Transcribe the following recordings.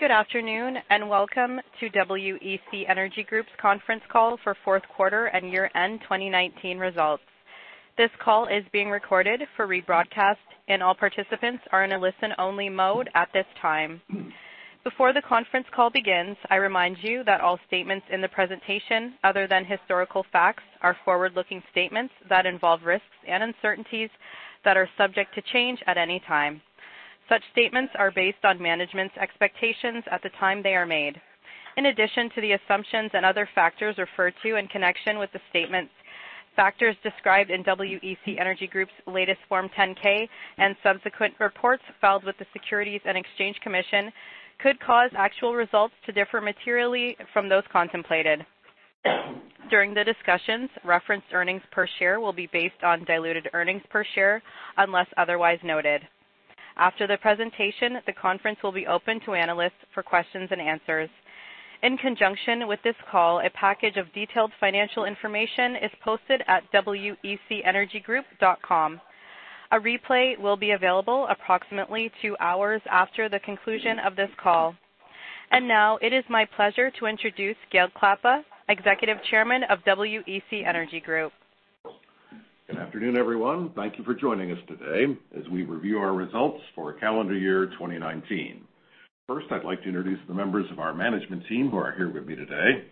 Good afternoon, welcome to WEC Energy Group's conference call for fourth quarter and year-end 2019 results. This call is being recorded for rebroadcast, and all participants are in a listen-only mode at this time. Before the conference call begins, I remind you that all statements in the presentation, other than historical facts, are forward-looking statements that involve risks and uncertainties that are subject to change at any time. Such statements are based on management's expectations at the time they are made. In addition to the assumptions and other factors referred to in connection with the statement, factors described in WEC Energy Group's latest Form 10-K and subsequent reports filed with the Securities and Exchange Commission could cause actual results to differ materially from those contemplated. During the discussions, referenced earnings per share will be based on diluted earnings per share unless otherwise noted. After the presentation, the conference will be open to analysts for questions and answers. In conjunction with this call, a package of detailed financial information is posted at wecenergygroup.com. A replay will be available approximately two hours after the conclusion of this call. Now it is my pleasure to introduce Gale Klappa, Executive Chairman of WEC Energy Group. Good afternoon, everyone. Thank you for joining us today as we review our results for calendar year 2019. First, I'd like to introduce the members of our management team who are here with me today.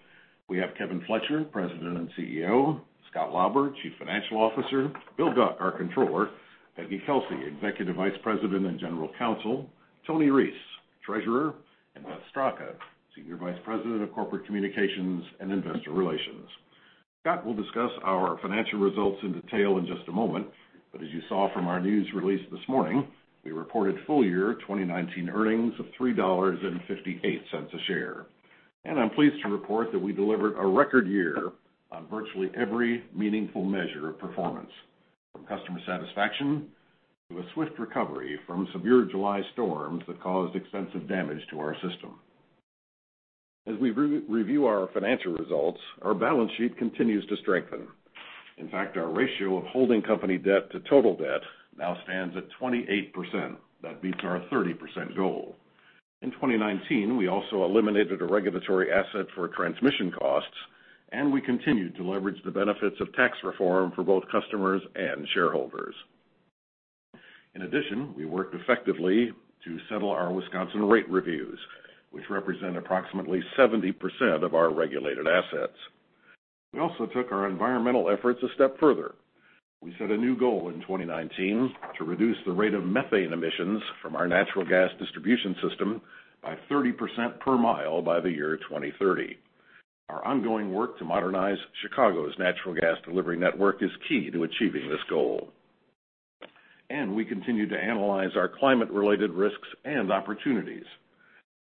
We have Kevin Fletcher, President and CEO, Scott Lauber, Chief Financial Officer, Bill Duck, our Controller, Peggy Kelsey, Executive Vice President and General Counsel, Tony Reese, Treasurer, and Beth Straka, Senior Vice President of Corporate Communications and Investor Relations. Scott will discuss our financial results in detail in just a moment, but as you saw from our news release this morning, we reported full year 2019 earnings of $3.58 a share. I'm pleased to report that we delivered a record year on virtually every meaningful measure of performance, from customer satisfaction to a swift recovery from severe July storms that caused extensive damage to our system. As we review our financial results, our balance sheet continues to strengthen. In fact, our ratio of holding company debt to total debt now stands at 28%. That beats our 30% goal. In 2019, we also eliminated a regulatory asset for transmission costs, and we continued to leverage the benefits of tax reform for both customers and shareholders. In addition, we worked effectively to settle our Wisconsin rate reviews, which represent approximately 70% of our regulated assets. We also took our environmental efforts a step further. We set a new goal in 2019 to reduce the rate of methane emissions from our natural gas distribution system by 30% per mile by the year 2030. Our ongoing work to modernize Chicago's natural gas delivery network is key to achieving this goal. We continue to analyze our climate-related risks and opportunities.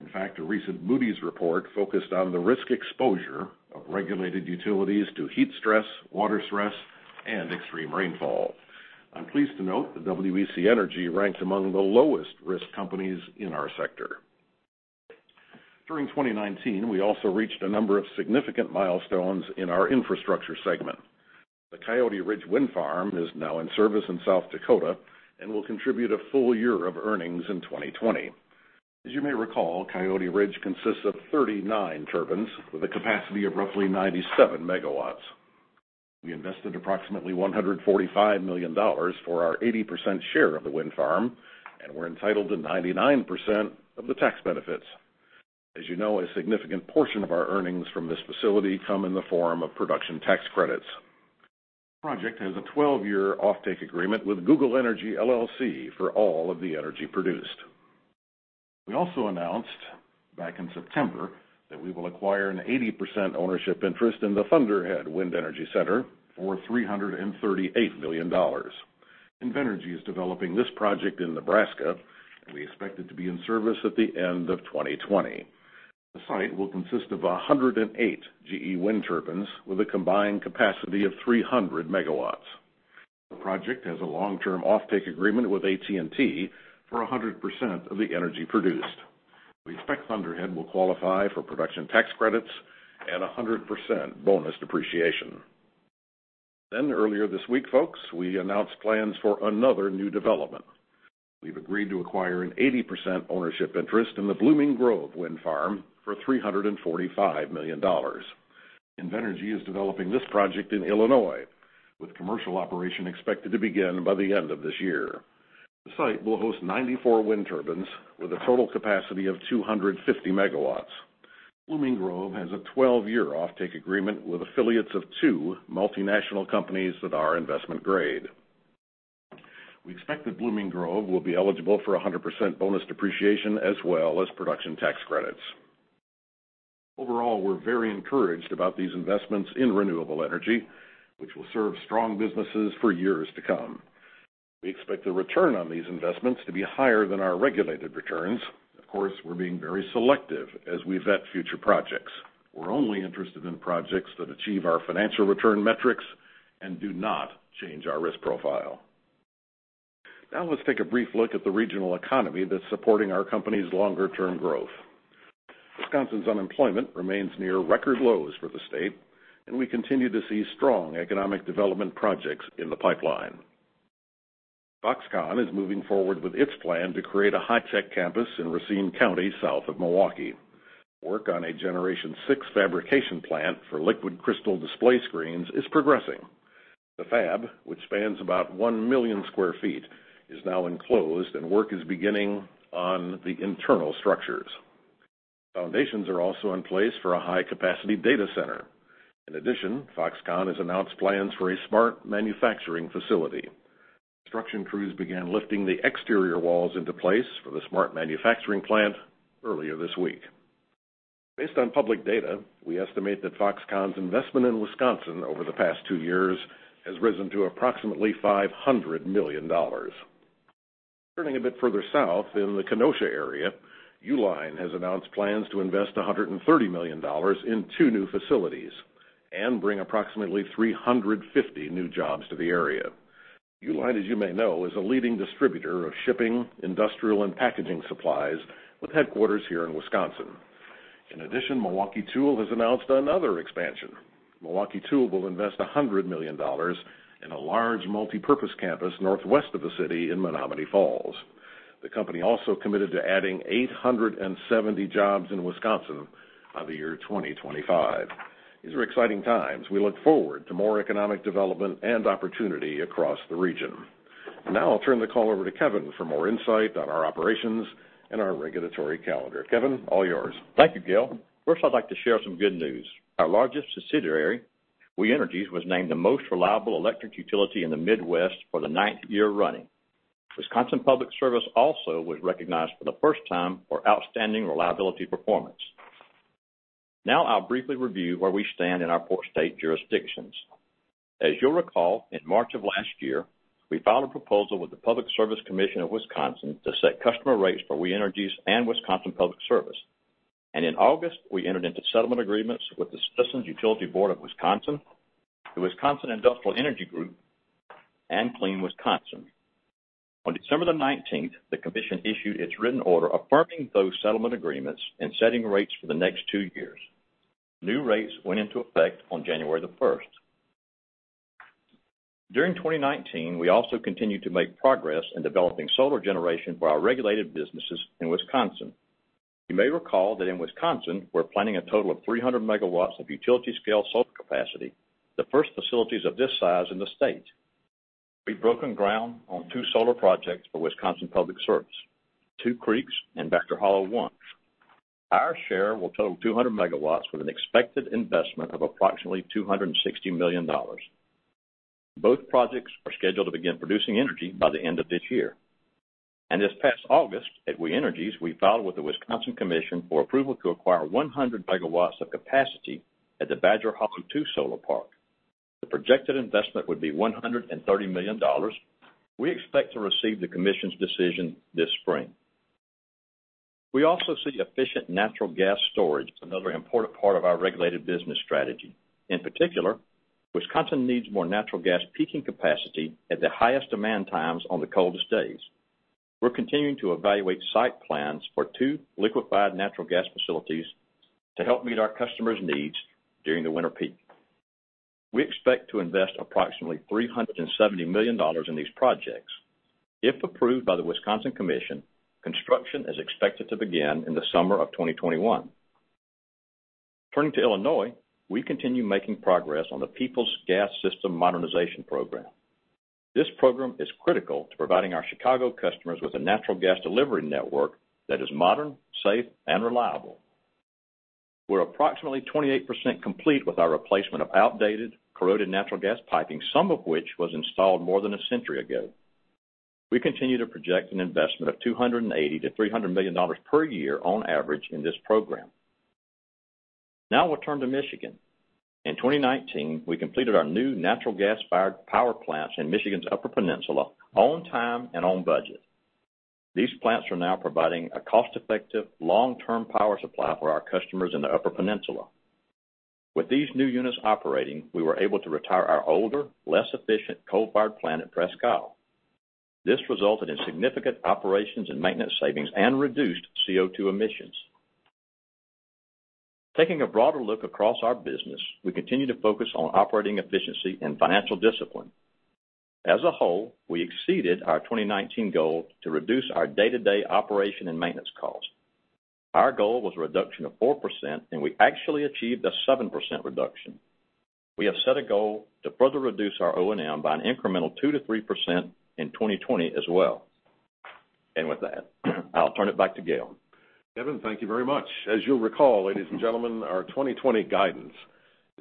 In fact, a recent Moody's report focused on the risk exposure of regulated utilities to heat stress, water stress, and extreme rainfall. I'm pleased to note that WEC Energy ranks among the lowest-risk companies in our sector. During 2019, we also reached a number of significant milestones in our infrastructure segment. The Coyote Ridge Wind Farm is now in service in South Dakota and will contribute a full year of earnings in 2020. As you may recall, Coyote Ridge consists of 39 turbines with a capacity of roughly 97 MW. We invested approximately $145 million for our 80% share of the wind farm, and we're entitled to 99% of the tax benefits. As you know, a significant portion of our earnings from this facility come in the form of Production Tax Credits. The project has a 12-year offtake agreement with Google Energy LLC for all of the energy produced. We also announced back in September that we will acquire an 80% ownership interest in the Thunderhead Wind Energy Center for $338 million. Invenergy is developing this project in Nebraska. We expect it to be in service at the end of 2020. The site will consist of 108 GE wind turbines with a combined capacity of 300 megawatts. The project has a long-term offtake agreement with AT&T for 100% of the energy produced. We expect Thunderhead will qualify for Production Tax Credits and 100% bonus depreciation. Earlier this week, folks, we announced plans for another new development. We've agreed to acquire an 80% ownership interest in the Blooming Grove Wind Farm for $345 million. Invenergy is developing this project in Illinois, with commercial operation expected to begin by the end of this year. The site will host 94 wind turbines with a total capacity of 250 megawatts. Blooming Grove has a 12-year offtake agreement with affiliates of two multinational companies that are investment-grade. We expect that Blooming Grove will be eligible for 100% bonus depreciation as well as Production Tax Credits. We're very encouraged about these investments in renewable energy, which will serve strong businesses for years to come. We expect the return on these investments to be higher than our regulated returns. We're being very selective as we vet future projects. We're only interested in projects that achieve our financial return metrics and do not change our risk profile. Let's take a brief look at the regional economy that's supporting our company's longer-term growth. Wisconsin's unemployment remains near record lows for the state. We continue to see strong economic development projects in the pipeline. Foxconn is moving forward with its plan to create a high-tech campus in Racine County, south of Milwaukee. Work on a generation 6 fabrication plant for liquid crystal display screens is progressing. The fab, which spans about 1 million square feet, is now enclosed and work is beginning on the internal structures. Foundations are also in place for a high-capacity data center. Foxconn has announced plans for a smart manufacturing facility. Construction crews began lifting the exterior walls into place for the smart manufacturing plant earlier this week. Based on public data, we estimate that Foxconn's investment in Wisconsin over the past two years has risen to approximately $500 million. Turning a bit further south, in the Kenosha area, Uline has announced plans to invest $130 million in two new facilities and bring approximately 350 new jobs to the area. Uline, as you may know, is a leading distributor of shipping, industrial, and packaging supplies, with headquarters here in Wisconsin. Milwaukee Tool has announced another expansion. Milwaukee Tool will invest $100 million in a large multi-purpose campus northwest of the city in Menomonee Falls. The company also committed to adding 870 jobs in Wisconsin by the year 2025. These are exciting times. We look forward to more economic development and opportunity across the region. I'll turn the call over to Kevin for more insight on our operations and our regulatory calendar. Kevin, all yours. Thank you, Gale. First, I'd like to share some good news. Our largest subsidiary, We Energies, was named the most reliable electric utility in the Midwest for the ninth year running. Wisconsin Public Service also was recognized for the first time for outstanding reliability performance. Now I'll briefly review where we stand in our four state jurisdictions. As you'll recall, in March of last year, we filed a proposal with the Public Service Commission of Wisconsin to set customer rates for We Energies and Wisconsin Public Service. In August, we entered into settlement agreements with the Citizens Utility Board of Wisconsin, the Wisconsin Industrial Energy Group, and Clean Wisconsin. On December the 19th, the commission issued its written order affirming those settlement agreements and setting rates for the next two years. New rates went into effect on January the 1st. During 2019, we also continued to make progress in developing solar generation for our regulated businesses in Wisconsin. You may recall that in Wisconsin, we're planning a total of 300 MW of utility-scale solar capacity, the first facilities of this size in the state. We've broken ground on two solar projects for Wisconsin Public Service, Two Creeks and Badger Hollow one. Our share will total 200 megawatts with an expected investment of approximately $260 million. Both projects are scheduled to begin producing energy by the end of this year. This past August, at We Energies, we filed with the Wisconsin Commission for approval to acquire 100 MW of capacity at the Badger Hollow II Solar Park. The projected investment would be $130 million. We expect to receive the Commission's decision this spring. We also see efficient natural gas storage as another important part of our regulated business strategy. In particular, Wisconsin needs more natural gas peaking capacity at the highest demand times on the coldest days. We're continuing to evaluate site plans for two liquefied natural gas facilities to help meet our customers' needs during the winter peak. We expect to invest approximately $370 million in these projects. If approved by the Wisconsin Commission, construction is expected to begin in the summer of 2021. Turning to Illinois, we continue making progress on the Peoples Gas System Modernization Program. This program is critical to providing our Chicago customers with a natural gas delivery network that is modern, safe, and reliable. We're approximately 28% complete with our replacement of outdated, corroded natural gas piping, some of which was installed more than a century ago. We continue to project an investment of $280 million-$300 million per year on average in this program. Now we'll turn to Michigan. In 2019, we completed our new natural gas-fired power plants in Michigan's Upper Peninsula on time and on budget. These plants are now providing a cost-effective, long-term power supply for our customers in the Upper Peninsula. With these new units operating, we were able to retire our older, less efficient coal-fired plant at Presque Isle. This resulted in significant operations and maintenance savings and reduced CO2 emissions. Taking a broader look across our business, we continue to focus on operating efficiency and financial discipline. As a whole, we exceeded our 2019 goal to reduce our day-to-day operation and maintenance cost. Our goal was a reduction of 4%, and we actually achieved a 7% reduction. We have set a goal to further reduce our O&M by an incremental 2%-3% in 2020 as well. With that, I'll turn it back to Gale. Kevin, thank you very much. As you'll recall, ladies and gentlemen, our 2020 guidance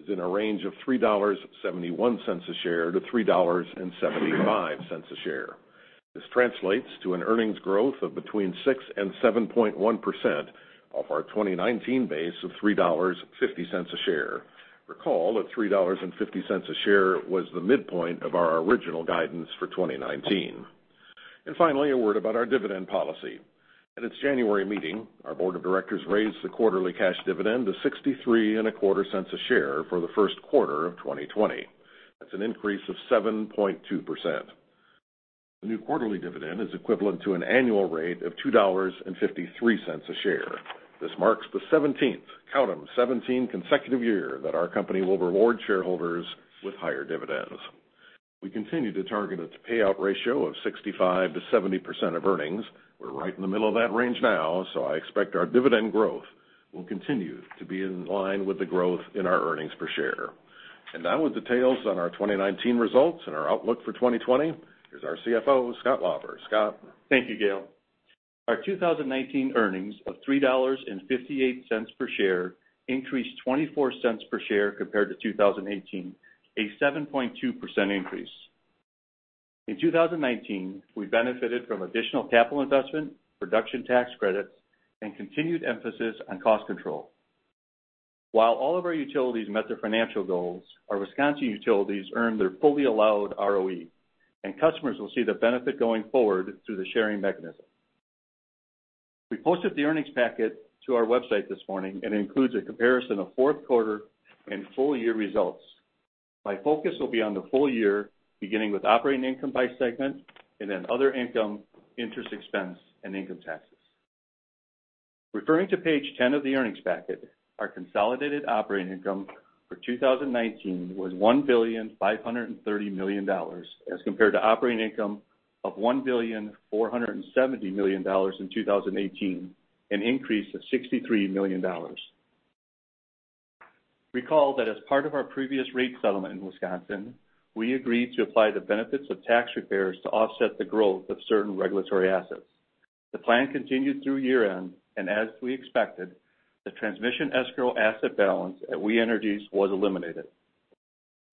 is in a range of $3.71 a share-$3.75 a share. This translates to an earnings growth of between 6% and 7.1% off our 2019 base of $3.50 a share. Recall that $3.50 a share was the midpoint of our original guidance for 2019. Finally, a word about our dividend policy. At its January meeting, our board of directors raised the quarterly cash dividend to $0.6325 a share for the first quarter of 2020. That's an increase of 7.2%. The new quarterly dividend is equivalent to an annual rate of $2.53 a share. This marks the 17th, count them, 17 consecutive year that our company will reward shareholders with higher dividends. We continue to target its payout ratio of 65%-70% of earnings. We're right in the middle of that range now, so I expect our dividend growth will continue to be in line with the growth in our EPS. Now with details on our 2019 results and our outlook for 2020, here's our CFO, Scott Lauber. Scott? Thank you, Gale. Our 2019 earnings of $3.58 per share increased $0.24 per share compared to 2018, a 7.2% increase. In 2019, we benefited from additional capital investment, Production Tax Credits, and continued emphasis on cost control. While all of our utilities met their financial goals, our Wisconsin utilities earned their fully allowed ROE, and customers will see the benefit going forward through the sharing mechanism. We posted the earnings packet to our website this morning, and includes a comparison of fourth quarter and full year results. My focus will be on the full year, beginning with operating income by segment and then other income, interest expense, and income taxes. Referring to page 10 of the earnings packet, our consolidated operating income for 2019 was $1.530 billion as compared to operating income of $1.470 billion in 2018, an increase of $63 million. Recall that as part of our previous rate settlement in Wisconsin, we agreed to apply the benefits of tax repairs to offset the growth of certain regulatory assets. The plan continued through year-end, and as we expected, the transmission escrow asset balance at We Energies was eliminated.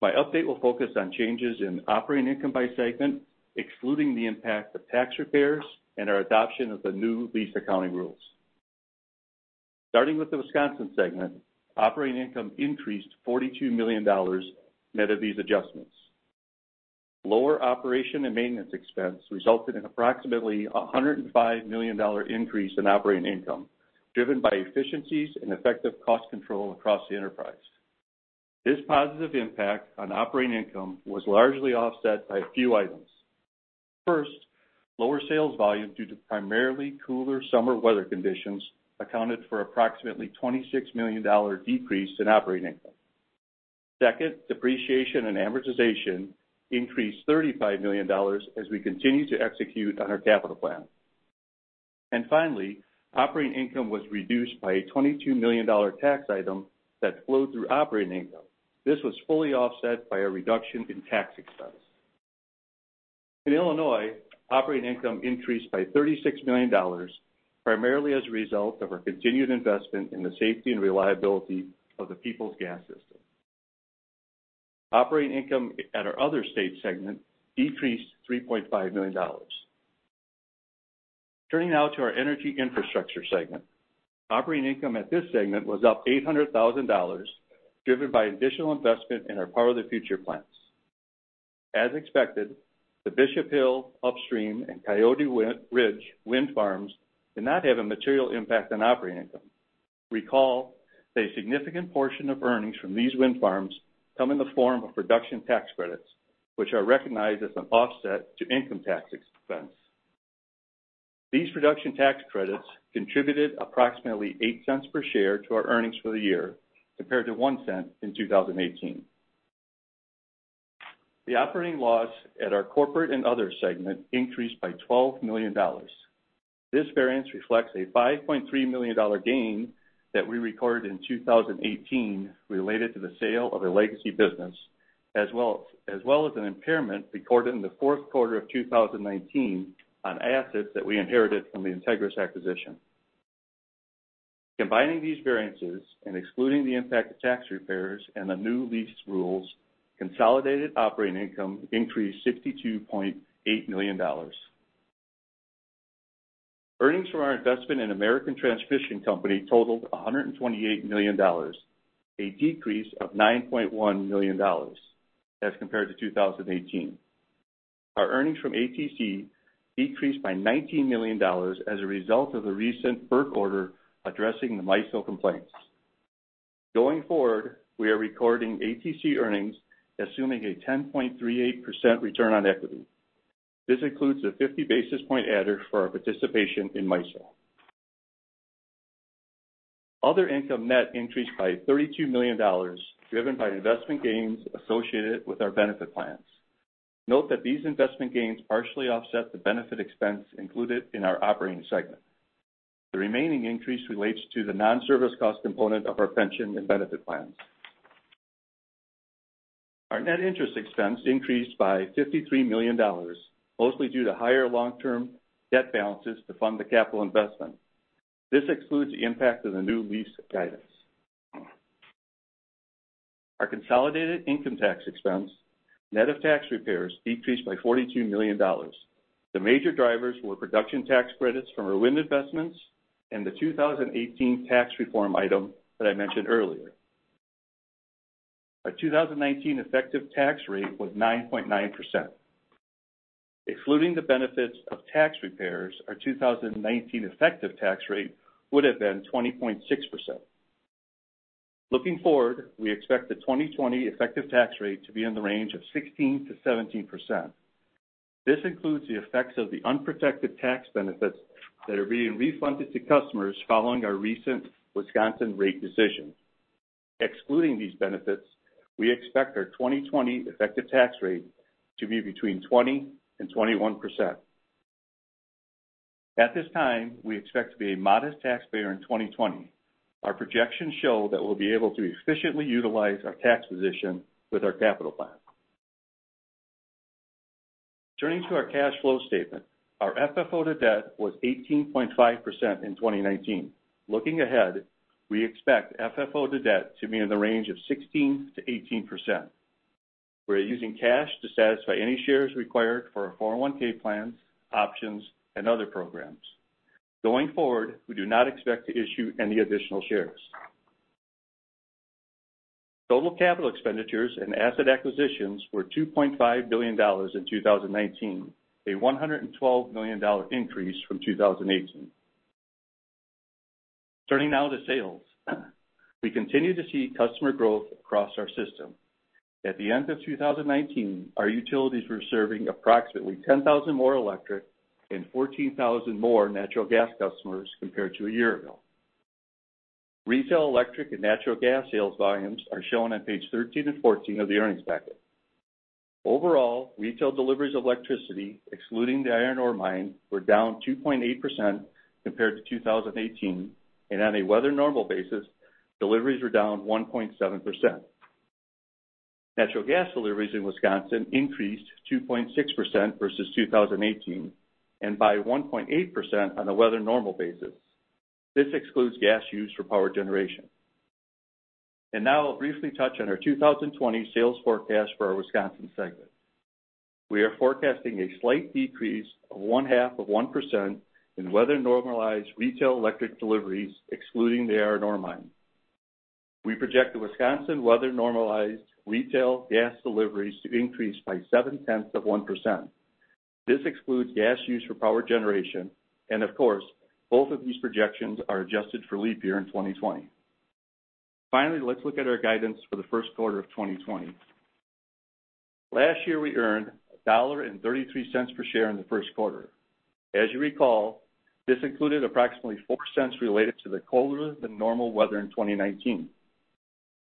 My update will focus on changes in operating income by segment, excluding the impact of tax repairs and our adoption of the new lease accounting rules. Starting with the Wisconsin segment, operating income increased to $42 million net of these adjustments. Lower operation and maintenance expense resulted in approximately $105 million increase in operating income, driven by efficiencies and effective cost control across the enterprise. This positive impact on operating income was largely offset by a few items. First, lower sales volume due to primarily cooler summer weather conditions accounted for approximately $26 million decrease in operating income. Second, depreciation and amortization increased $35 million as we continue to execute on our capital plan. Finally, operating income was reduced by a $22 million tax item that flowed through operating income. This was fully offset by a reduction in tax expense. In Illinois, operating income increased by $36 million, primarily as a result of our continued investment in the safety and reliability of the Peoples Gas System. Operating income at our other state segment decreased $3.5 million. Turning now to our energy infrastructure segment. Operating income at this segment was up $800,000, driven by additional investment in our Power the Future plans. As expected, the Bishop Hill Wind Farm and Coyote Ridge Wind Farms did not have a material impact on operating income. Recall that a significant portion of earnings from these wind farms come in the form of Production Tax Credits, which are recognized as an offset to income tax expense. These Production Tax Credits contributed approximately $0.08 per share to our earnings for the year, compared to $0.01 in 2018. The operating loss at our corporate and other segment increased by $12 million. This variance reflects a $5.3 million gain that we recorded in 2018 related to the sale of a legacy business, as well as an impairment recorded in the fourth quarter of 2019 on assets that we inherited from the Integrys acquisition. Combining these variances and excluding the impact of tax repairs and the new lease rules, consolidated operating income increased $62.8 million. Earnings from our investment in American Transmission Company totaled $128 million, a decrease of $9.1 million as compared to 2018. Our earnings from ATC decreased by $19 million as a result of the recent FERC order addressing the MISO complaints. Going forward, we are recording ATC earnings assuming a 10.38% return on equity. This includes a 50-basis point adder for our participation in MISO. Other income net increased by $32 million, driven by investment gains associated with our benefit plans. Note that these investment gains partially offset the benefit expense included in our operating segment. The remaining increase relates to the non-service cost component of our pension and benefit plans. Our net interest expense increased by $53 million, mostly due to higher long-term debt balances to fund the capital investment. This excludes the impact of the new lease guidance. Our consolidated income tax expense, net of tax repairs, decreased by $42 million. The major drivers were Production Tax Credits from our wind investments and the 2018 tax reform item that I mentioned earlier. Our 2019 effective tax rate was 9.9%. Excluding the benefits of tax repairs, our 2019 effective tax rate would've been 20.6%. Looking forward, we expect the 2020 effective tax rate to be in the range of 16%-17%. This includes the effects of the unprotected tax benefits that are being refunded to customers following our recent Wisconsin rate decision. Excluding these benefits, we expect our 2020 effective tax rate to be between 20% and 21%. At this time, we expect to be a modest taxpayer in 2020. Our projections show that we'll be able to efficiently utilize our tax position with our capital plan. Turning to our cash flow statement, our FFO to debt was 18.5% in 2019. Looking ahead, we expect FFO to debt to be in the range of 16%-18%. We're using cash to satisfy any shares required for our 401(k) plans, options, and other programs. Going forward, we do not expect to issue any additional shares. Total capital expenditures and asset acquisitions were $2.5 billion in 2019, a $112 million increase from 2018. Turning now to sales. We continue to see customer growth across our system. At the end of 2019, our utilities were serving approximately 10,000 more electric and 14,000 more natural gas customers compared to a year ago. Retail electric and natural gas sales volumes are shown on page 13 and 14 of the earnings packet. Overall, retail deliveries of electricity, excluding the iron ore mine, were down 2.8% compared to 2018, and on a weather normal basis, deliveries were down 1.7%. Natural gas deliveries in Wisconsin increased 2.6% versus 2018 and by 1.8% on a weather normal basis. This excludes gas used for power generation. Now I'll briefly touch on our 2020 sales forecast for our Wisconsin segment. We are forecasting a slight decrease of one-half of 1% in weather-normalized retail electric deliveries, excluding the iron ore mine. We project the Wisconsin weather normalized retail gas deliveries to increase by seven-tenths of 1%. This excludes gas used for power generation, of course, both of these projections are adjusted for leap year in 2020. Finally, let's look at our guidance for the first quarter of 2020. Last year, we earned $1.33 per share in the first quarter. As you recall, this included approximately $0.04 related to the colder than normal weather in 2019.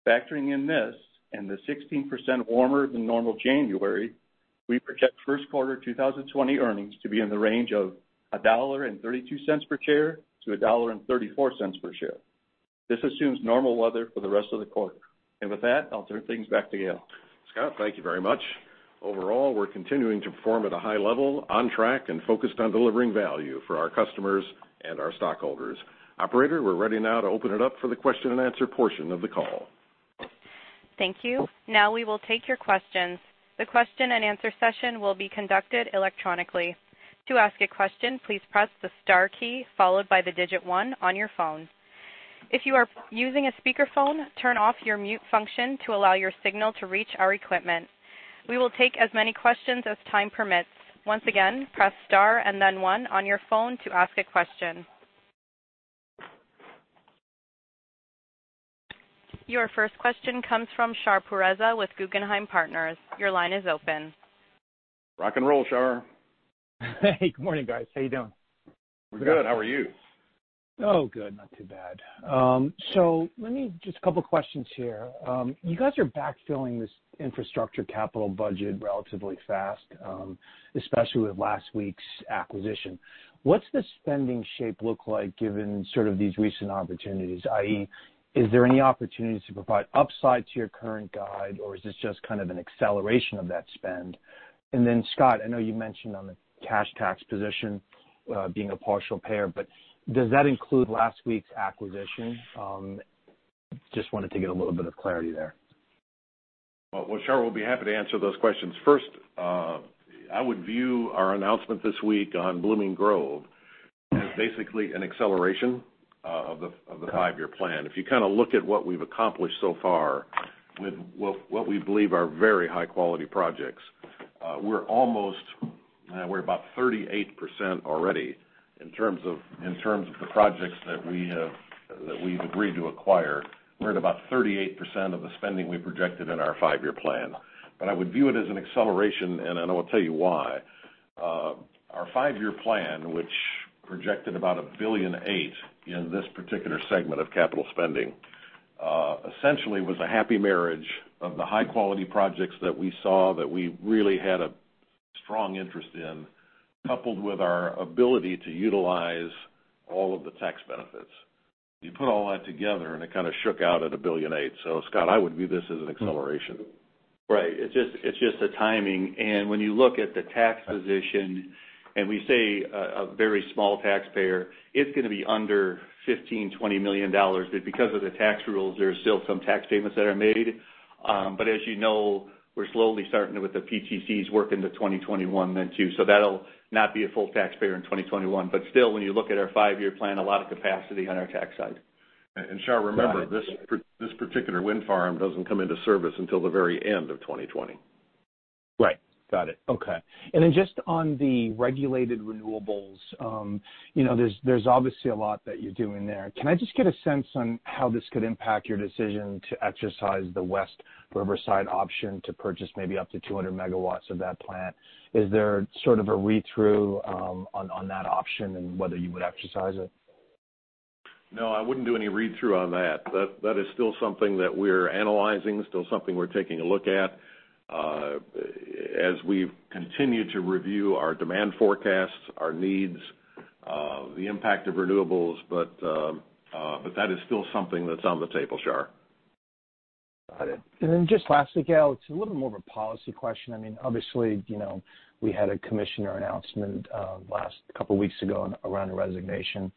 Factoring in this and the 16% warmer than normal January, we project first quarter 2020 earnings to be in the range of $1.32 per share-$1.34 per share. This assumes normal weather for the rest of the quarter. With that, I'll turn things back to Gale. Scott, thank you very much. We're continuing to perform at a high level, on track, and focused on delivering value for our customers and our stockholders. Operator, we're ready now to open it up for the question-and-answer portion of the call. Thank you. Now we will take your questions. The question-and-answer session will be conducted electronically. To ask a question, please press the star key followed by the digit one on your phone. If you are using a speakerphone, turn off your mute function to allow your signal to reach our equipment. We will take as many questions as time permits. Once again, press star and then one on your phone to ask a question. Your first question comes from Shar Pourreza with Guggenheim Partners. Your line is open. Rock and roll, Shar. Hey, good morning, guys. How you doing? We're good. How are you? Good. Not too bad. Let me, just a couple questions here. You guys are backfilling this infrastructure capital budget relatively fast, especially with last week's acquisition. What's the spending shape look like given sort of these recent opportunities, i.e., is there any opportunities to provide upside to your current guide, or is this just kind of an acceleration of that spend? Then, Scott, I know you mentioned on the cash tax position, being a partial payer, but does that include last week's acquisition? Just wanted to get a little bit of clarity there. Well, Shar, we'll be happy to answer those questions. First, I would view our announcement this week on Blooming Grove as basically an acceleration of the five-year plan. If you kind of look at what we've accomplished so far with what we believe are very high-quality projects, we're about 38% already in terms of the projects that we've agreed to acquire. We're at about 38% of the spending we projected in our five-year plan. I would view it as an acceleration, and I will tell you why. Our five-year plan, which projected about $1.8 billion In this particular segment of capital spending, essentially was a happy marriage of the high-quality projects that we saw that we really had a strong interest in, coupled with our ability to utilize all of the tax benefits. You put all that together, and it kind of shook out at $1.8 billion. Scott, I would view this as an acceleration. Right. It's just the timing. When you look at the tax position, and we say a very small taxpayer, it's going to be under $15 million, $20 million, because of the tax rules, there are still some tax payments that are made. As you know, we're slowly starting with the PTCs work into 2021 then, too. That'll not be a full taxpayer in 2021. Still, when you look at our five-year plan, a lot of capacity on our tax side. Shar, remember, this particular wind farm doesn't come into service until the very end of 2020. Right. Got it. Okay. Then just on the regulated renewables, there's obviously a lot that you're doing there. Can I just get a sense on how this could impact your decision to exercise the West Riverside option to purchase maybe up to 200 megawatts of that plant? Is there sort of a read-through on that option and whether you would exercise it? No, I wouldn't do any read-through on that. That is still something that we're analyzing, still something we're taking a look at, as we continue to review our demand forecasts, our needs, the impact of renewables. That is still something that's on the table, Shar. Got it. Just lastly, Gale, it's a little more of a policy question. Obviously, we had a commissioner announcement a couple weeks ago around a resignation.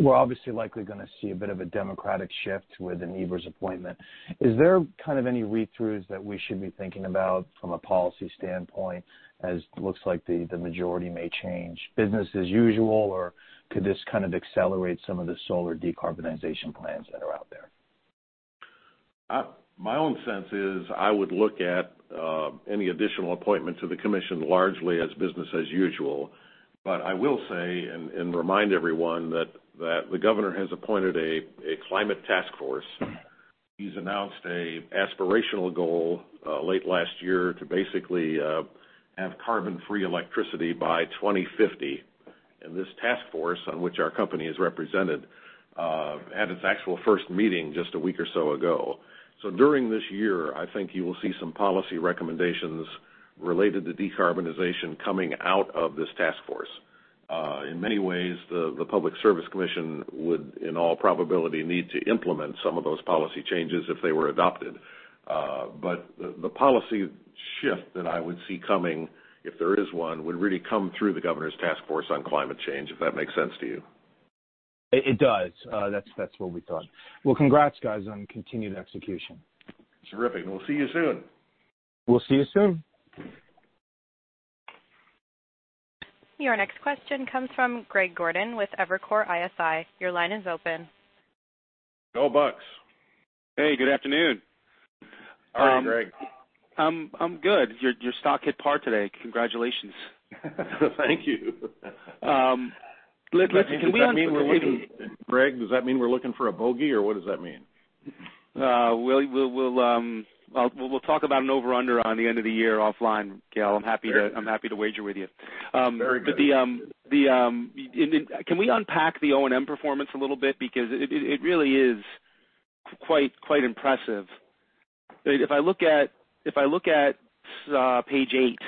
We're obviously likely going to see a bit of a Democratic shift with a Evers's appointment. Is there any read-throughs that we should be thinking about from a policy standpoint, as looks like the majority may change? Business as usual, or could this kind of accelerate some of the solar decarbonization plans that are out there? My own sense is I would look at any additional appointment to the commission largely as business as usual. I will say, and remind everyone that the governor has appointed a Climate Task Force. He's announced an aspirational goal late last year to basically have carbon-free electricity by 2050. This Task Force, on which our company is represented, had its actual first meeting just a week or so ago. During this year, I think you will see some policy recommendations related to decarbonization coming out of this Task Force. In many ways, the Public Service Commission would, in all probability, need to implement some of those policy changes if they were adopted. The policy shift that I would see coming, if there is one, would really come through the governor's Task Force on Climate Change, if that makes sense to you. It does. That's what we thought. Well, congrats, guys, on continued execution. Terrific. We'll see you soon. We'll see you soon. Your next question comes from Greg Gordon with Evercore ISI. Your line is open. Go, Bucks. Hey, good afternoon. How are you, Greg? I'm good. Your stock hit par today. Congratulations. Thank you. Can we un- Greg, does that mean we're looking for a bogey, or what does that mean? We'll talk about an over-under on the end of the year offline, Gale. I'm happy to wager with you. Very good. Can we unpack the O&M performance a little bit? It really is quite impressive. If I look at page eight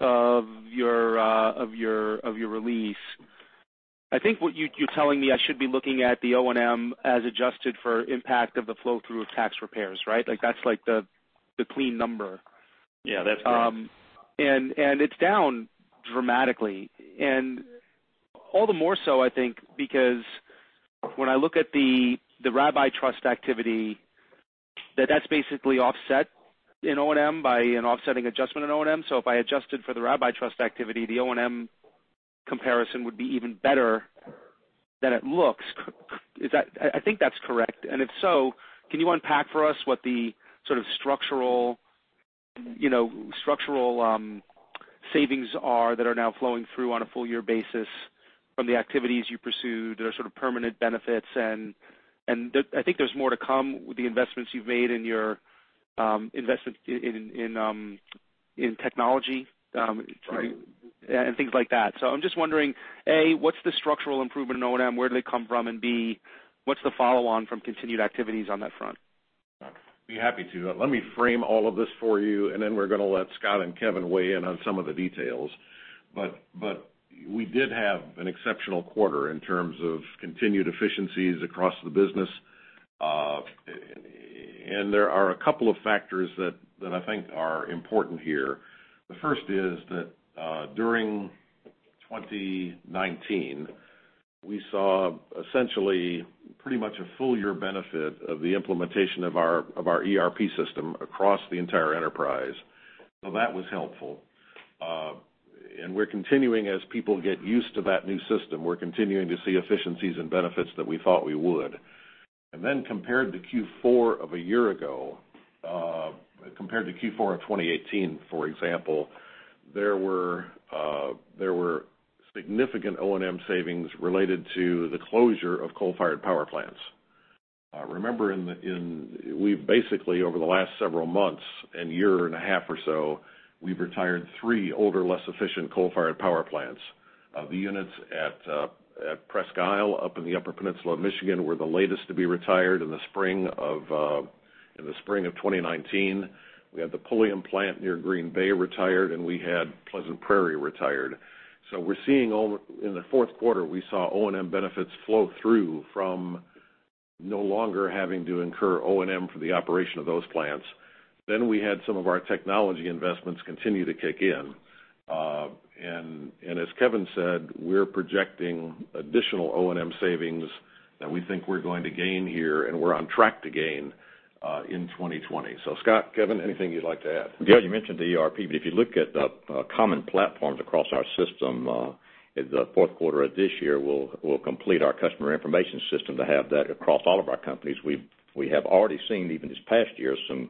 of your release, I think what you're telling me, I should be looking at the O&M as adjusted for impact of the flow-through of tax repairs, right? That's the clean number. Yeah, that's correct. It's down dramatically. All the more so, I think, because when I look at the Rabbi Trust activity, that's basically offset in O&M by an offsetting adjustment in O&M. If I adjusted for the Rabbi Trust activity, the O&M comparison would be even better than it looks. I think that's correct. If so, can you unpack for us what the sort of structural savings are that are now flowing through on a full-year basis from the activities you pursued or sort of permanent benefits? I think there's more to come with the investments you've made in your investments in technology- Right and things like that. I'm just wondering, A, what's the structural improvement in O&M? Where do they come from? B, what's the follow on from continued activities on that front? Be happy to. Let me frame all of this for you, then we're going to let Scott and Kevin weigh in on some of the details. We did have an exceptional quarter in terms of continued efficiencies across the business. There are a couple of factors that I think are important here. The first is that during 2019, we saw essentially pretty much a full-year benefit of the implementation of our ERP system across the entire enterprise. That was helpful. We're continuing as people get used to that new system, we're continuing to see efficiencies and benefits that we thought we would. Compared to Q4 of a year ago, compared to Q4 of 2018, for example, there were significant O&M savings related to the closure of coal-fired power plants. Remember, we've basically over the last several months and year and a half or so, we've retired three older, less efficient coal-fired power plants. The units at Presque Isle up in the Upper Peninsula of Michigan were the latest to be retired in the spring of 2019. We had the Pulliam plant near Green Bay retired, and we had Pleasant Prairie retired. In the fourth quarter, we saw O&M benefits flow through from no longer having to incur O&M for the operation of those plants. We had some of our technology investments continue to kick in. As Kevin said, we're projecting additional O&M savings that we think we're going to gain here, and we're on track to gain, in 2020. Scott, Kevin, anything you'd like to add? You mentioned the ERP. If you look at the common platforms across our system, the fourth quarter of this year, we'll complete our customer information system to have that across all of our companies. We have already seen, even this past year, some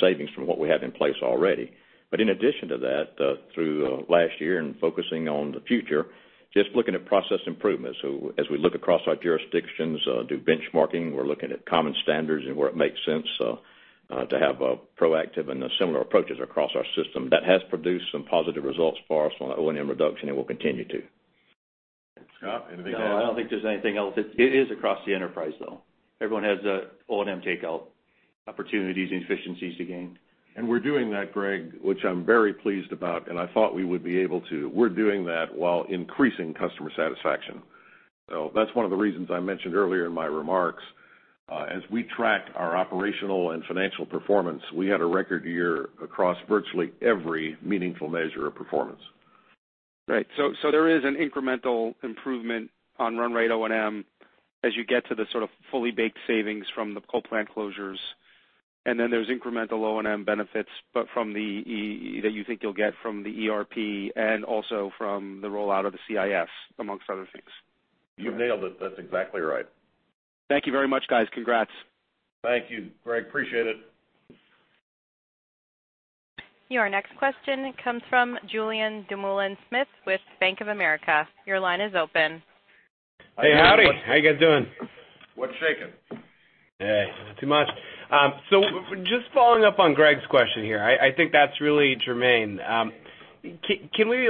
savings from what we have in place already. In addition to that, through last year and focusing on the future, just looking at process improvements. As we look across our jurisdictions, do benchmarking, we're looking at common standards and where it makes sense to have proactive and similar approaches across our system. That has produced some positive results for us on the O&M reduction and will continue to. Scott, anything to add? No, I don't think there's anything else. It is across the enterprise, though. Everyone has O&M takeout opportunities and efficiencies to gain. We're doing that, Greg, which I'm very pleased about, and I thought we would be able to. We're doing that while increasing customer satisfaction. That's one of the reasons I mentioned earlier in my remarks, as we track our operational and financial performance, we had a record year across virtually every meaningful measure of performance. Right. There is an incremental improvement on run rate O&M as you get to the sort of fully baked savings from the coal plant closures. There's incremental O&M benefits that you think you'll get from the ERP and also from the rollout of the CIS, amongst other things. You've nailed it. That's exactly right. Thank you very much, guys. Congrats. Thank you, Greg. Appreciate it. Your next question comes from Julien Dumoulin-Smith with Bank of America. Your line is open. Hey, howdy. How you guys doing? What's shaking? Not too much. Just following up on Greg's question here, I think that's really germane. Can we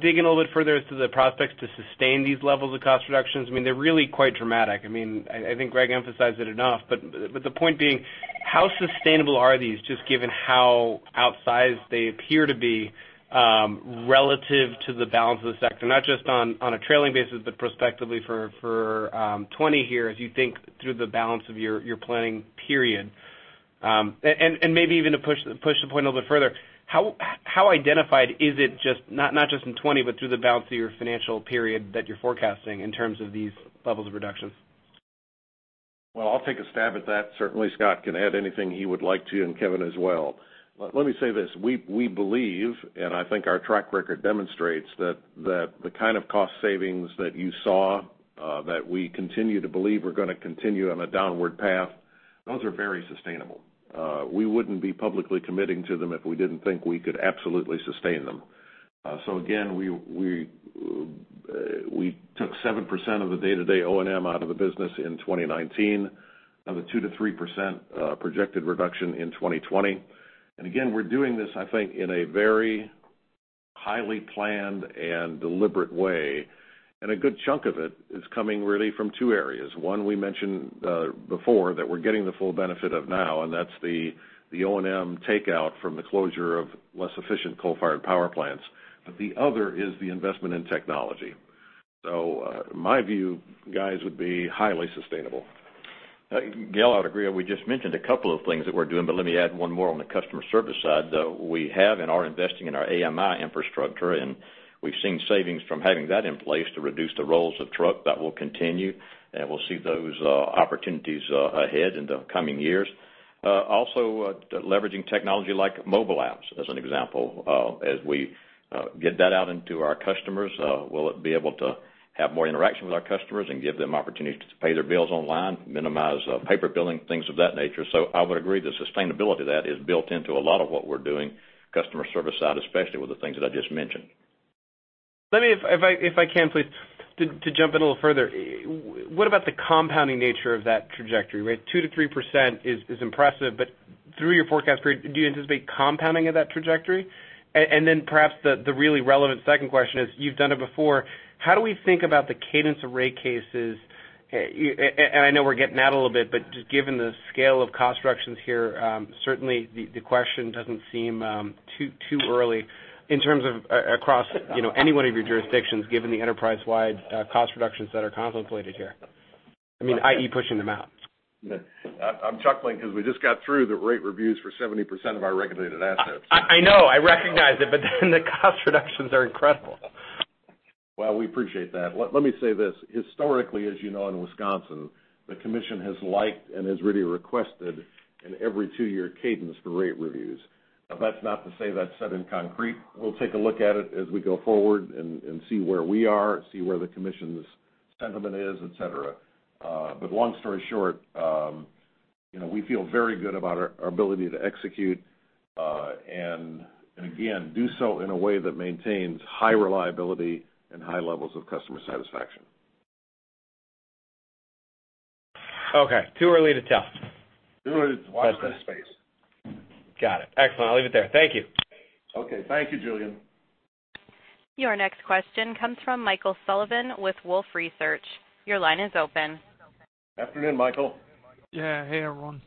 dig in a little bit further as to the prospects to sustain these levels of cost reductions? They're really quite dramatic. I think Greg emphasized it enough. The point being, how sustainable are these, just given how outsized they appear to be relative to the balance of the sector, not just on a trailing basis, but prospectively for 2020 here as you think through the balance of your planning period? Maybe even to push the point a little bit further, how identified is it, not just in 2020, but through the balance of your financial period that you're forecasting in terms of these levels of reductions? I'll take a stab at that. Certainly, Scott can add anything he would like to, and Kevin as well. Let me say this, we believe, and I think our track record demonstrates, that the kind of cost savings that you saw, that we continue to believe are going to continue on a downward path, those are very sustainable. We wouldn't be publicly committing to them if we didn't think we could absolutely sustain them. We took 7% of the day-to-day O&M out of the business in 2019. Another 2%-3% projected reduction in 2020. We're doing this, I think, in a very highly planned and deliberate way, and a good chunk of it is coming really from two areas. One we mentioned before, that we're getting the full benefit of now, and that's the O&M takeout from the closure of less efficient coal-fired power plants. The other is the investment in technology. My view, guys, would be highly sustainable. Gale, I would agree. We just mentioned a couple of things that we're doing, but let me add one more on the customer service side. We have and are investing in our AMI infrastructure, and we've seen savings from having that in place to reduce the truck rolls. That will continue, and we'll see those opportunities ahead in the coming years. Leveraging technology like mobile apps, as an example. As we get that out into our customers, we'll be able to have more interaction with our customers and give them opportunities to pay their bills online, minimize paper billing, things of that nature. I would agree, the sustainability of that is built into a lot of what we're doing, customer service side especially, with the things that I just mentioned. Let me, if I can please, jump in a little further. What about the compounding nature of that trajectory, right? 2% to 3% is impressive. Through your forecast period, do you anticipate compounding of that trajectory? Perhaps the really relevant second question is, you've done it before, how do we think about the cadence of rate cases? I know we're getting out a little bit. Just given the scale of cost reductions here, certainly the question doesn't seem too early in terms of across any one of your jurisdictions, given the enterprise-wide cost reductions that are contemplated here. I mean, i.e., pushing them out. I'm chuckling because we just got through the rate reviews for 70% of our regulated assets. I know, I recognize it, but the cost reductions are incredible. Well, we appreciate that. Let me say this. Historically, as you know, in Wisconsin, the commission has liked and has really requested an every two-year cadence for rate reviews. That's not to say that's set in concrete. We'll take a look at it as we go forward and see where we are, see where the commission's sentiment is, et cetera. Long story short, we feel very good about our ability to execute, and again, do so in a way that maintains high reliability and high levels of customer satisfaction. Okay, too early to tell. Too early to tell. Watch that space. Got it. Excellent. I'll leave it there. Thank you. Okay. Thank you, Julien. Your next question comes from Michael Sullivan with Wolfe Research. Your line is open. Afternoon, Michael. Yeah. Hey, everyone.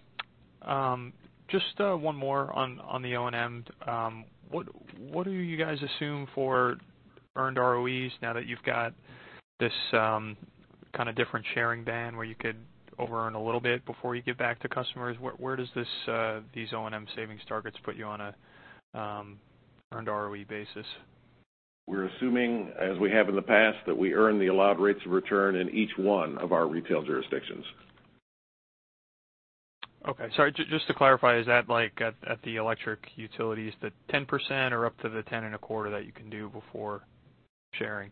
Just one more on the O&M. What do you guys assume for earned ROEs now that you've got this kind of different sharing band where you could over earn a little bit before you give back to customers? Where does these O&M savings targets put you on an earned ROE basis? We're assuming, as we have in the past, that we earn the allowed rates of return in each one of our retail jurisdictions. Okay. Sorry, just to clarify, is that at the electric utilities, the 10% or up to the 10.25% that you can do before sharing?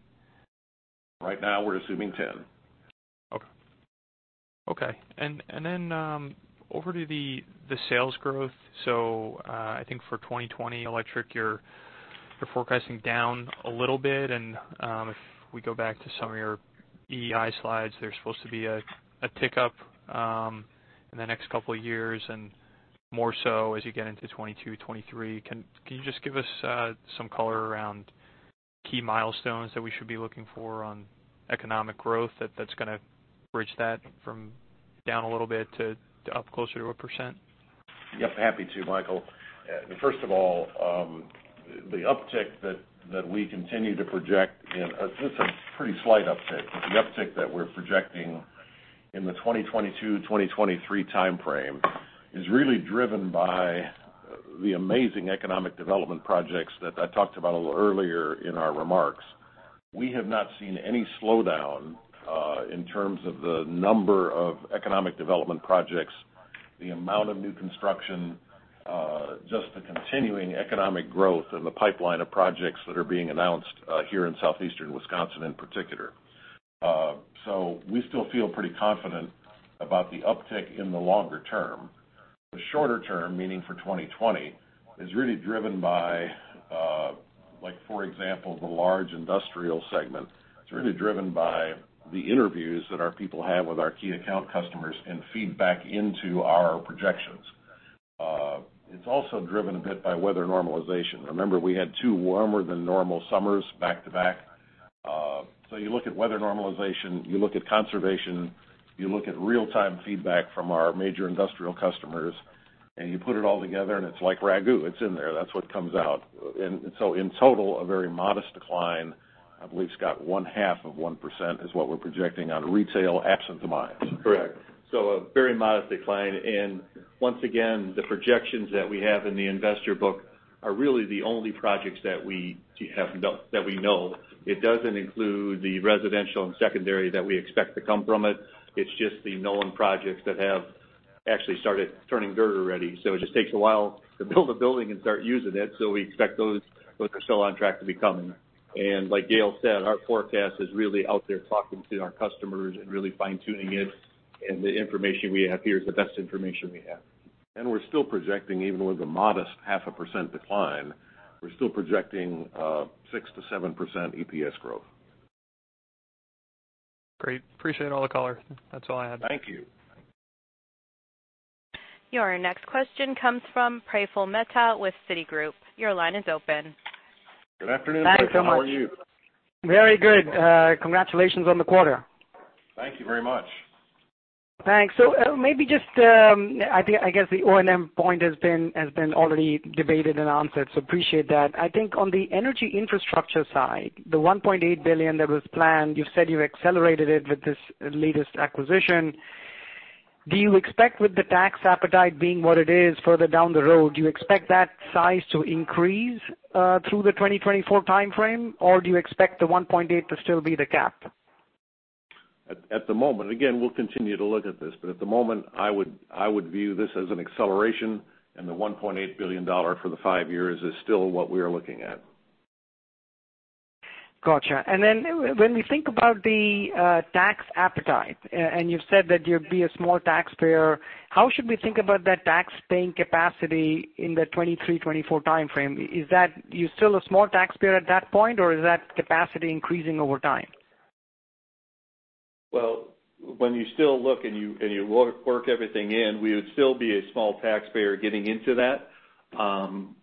Right now, we're assuming 10. Okay. Over to the sales growth. I think for 2020, electric, you're forecasting down a little bit. If we go back to some of your EEI slides, there's supposed to be a tick up in the next couple of years, and more so as you get into 2022, 2023. Can you just give us some color around key milestones that we should be looking for on economic growth that's going to bridge that from down a little bit to up closer to 1%? Yep, happy to, Michael. First of all, the uptick that we continue to project, and it's just a pretty slight uptick, but the uptick that we're projecting in the 2022-2023 time frame is really driven by the amazing economic development projects that I talked about a little earlier in our remarks. We have not seen any slowdown in terms of the number of economic development projects, the amount of new construction, just the continuing economic growth and the pipeline of projects that are being announced here in southeastern Wisconsin in particular. We still feel pretty confident about the uptick in the longer term. The shorter term, meaning for 2020, is really driven by, for example, the large industrial segment. It's really driven by the interviews that our people have with our key account customers and feedback into our projections. It's also driven a bit by weather normalization. Remember, we had two warmer than normal summers back-to-back. You look at weather normalization, you look at conservation, you look at real-time feedback from our major industrial customers, you put it all together, it's like RAGÚ, it's in there. That's what comes out. In total, a very modest decline. I believe, Scott, 0.5% is what we're projecting on retail absent the miles. Correct. A very modest decline. Once again, the projections that we have in the investor book are really the only projects that we know. It doesn't include the residential and secondary that we expect to come from it. It's just the known projects that have actually started turning dirt already. It just takes a while to build a building and start using it, so we expect those are still on track to be coming. Like Gale said, our forecast is really out there talking to our customers and really fine-tuning it, and the information we have here is the best information we have. We're still projecting, even with a modest 0.5% decline, we're still projecting 6%-7% EPS growth. Great. Appreciate all the color. That's all I had. Thank you. Your next question comes from Praful Mehta with Citigroup. Your line is open. Good afternoon, Praful. How are you? Very good. Congratulations on the quarter. Thank you very much. Thanks. Maybe just, I guess the O& M point has been already debated and answered, so appreciate that. I think on the energy infrastructure side, the $1.8 billion that was planned, you've said you accelerated it with this latest acquisition. Do you expect with the tax appetite being what it is further down the road, do you expect that size to increase through the 2024 time frame, or do you expect the 1.8 to still be the cap? At the moment. We'll continue to look at this, but at the moment, I would view this as an acceleration, and the $1.8 billion for the five years is still what we are looking at. Got you. When we think about the tax appetite, and you've said that you'd be a small taxpayer, how should we think about that tax paying capacity in the 2023, 2024 time frame? Are you still a small taxpayer at that point, or is that capacity increasing over time? When you still look and you work everything in, we would still be a small taxpayer getting into that,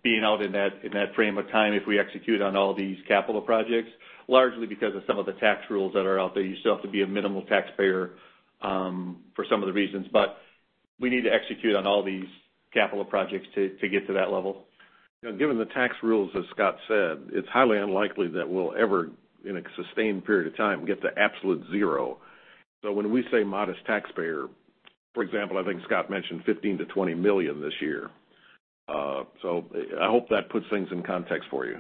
being out in that frame of time if we execute on all these capital projects, largely because of some of the tax rules that are out there. You still have to be a minimal taxpayer for some of the reasons, but we need to execute on all these capital projects to get to that level. Given the tax rules, as Scott said, it's highly unlikely that we'll ever, in a sustained period of time, get to absolute zero. When we say modest taxpayer, for example, I think Scott mentioned $15 million-$20 million this year. I hope that puts things in context for you.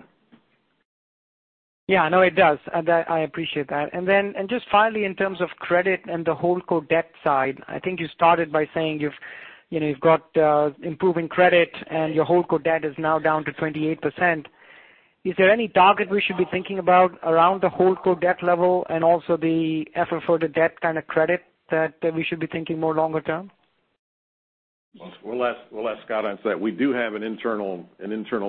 Yeah, no, it does. I appreciate that. Just finally, in terms of credit and the holdco debt side, I think you started by saying you've got improving credit and your holdco debt is now down to 28%. Is there any target we should be thinking about around the holdco debt level and also the FFO, the debt kind of credit that we should be thinking more longer term? We'll ask Scott on that. We do have an internal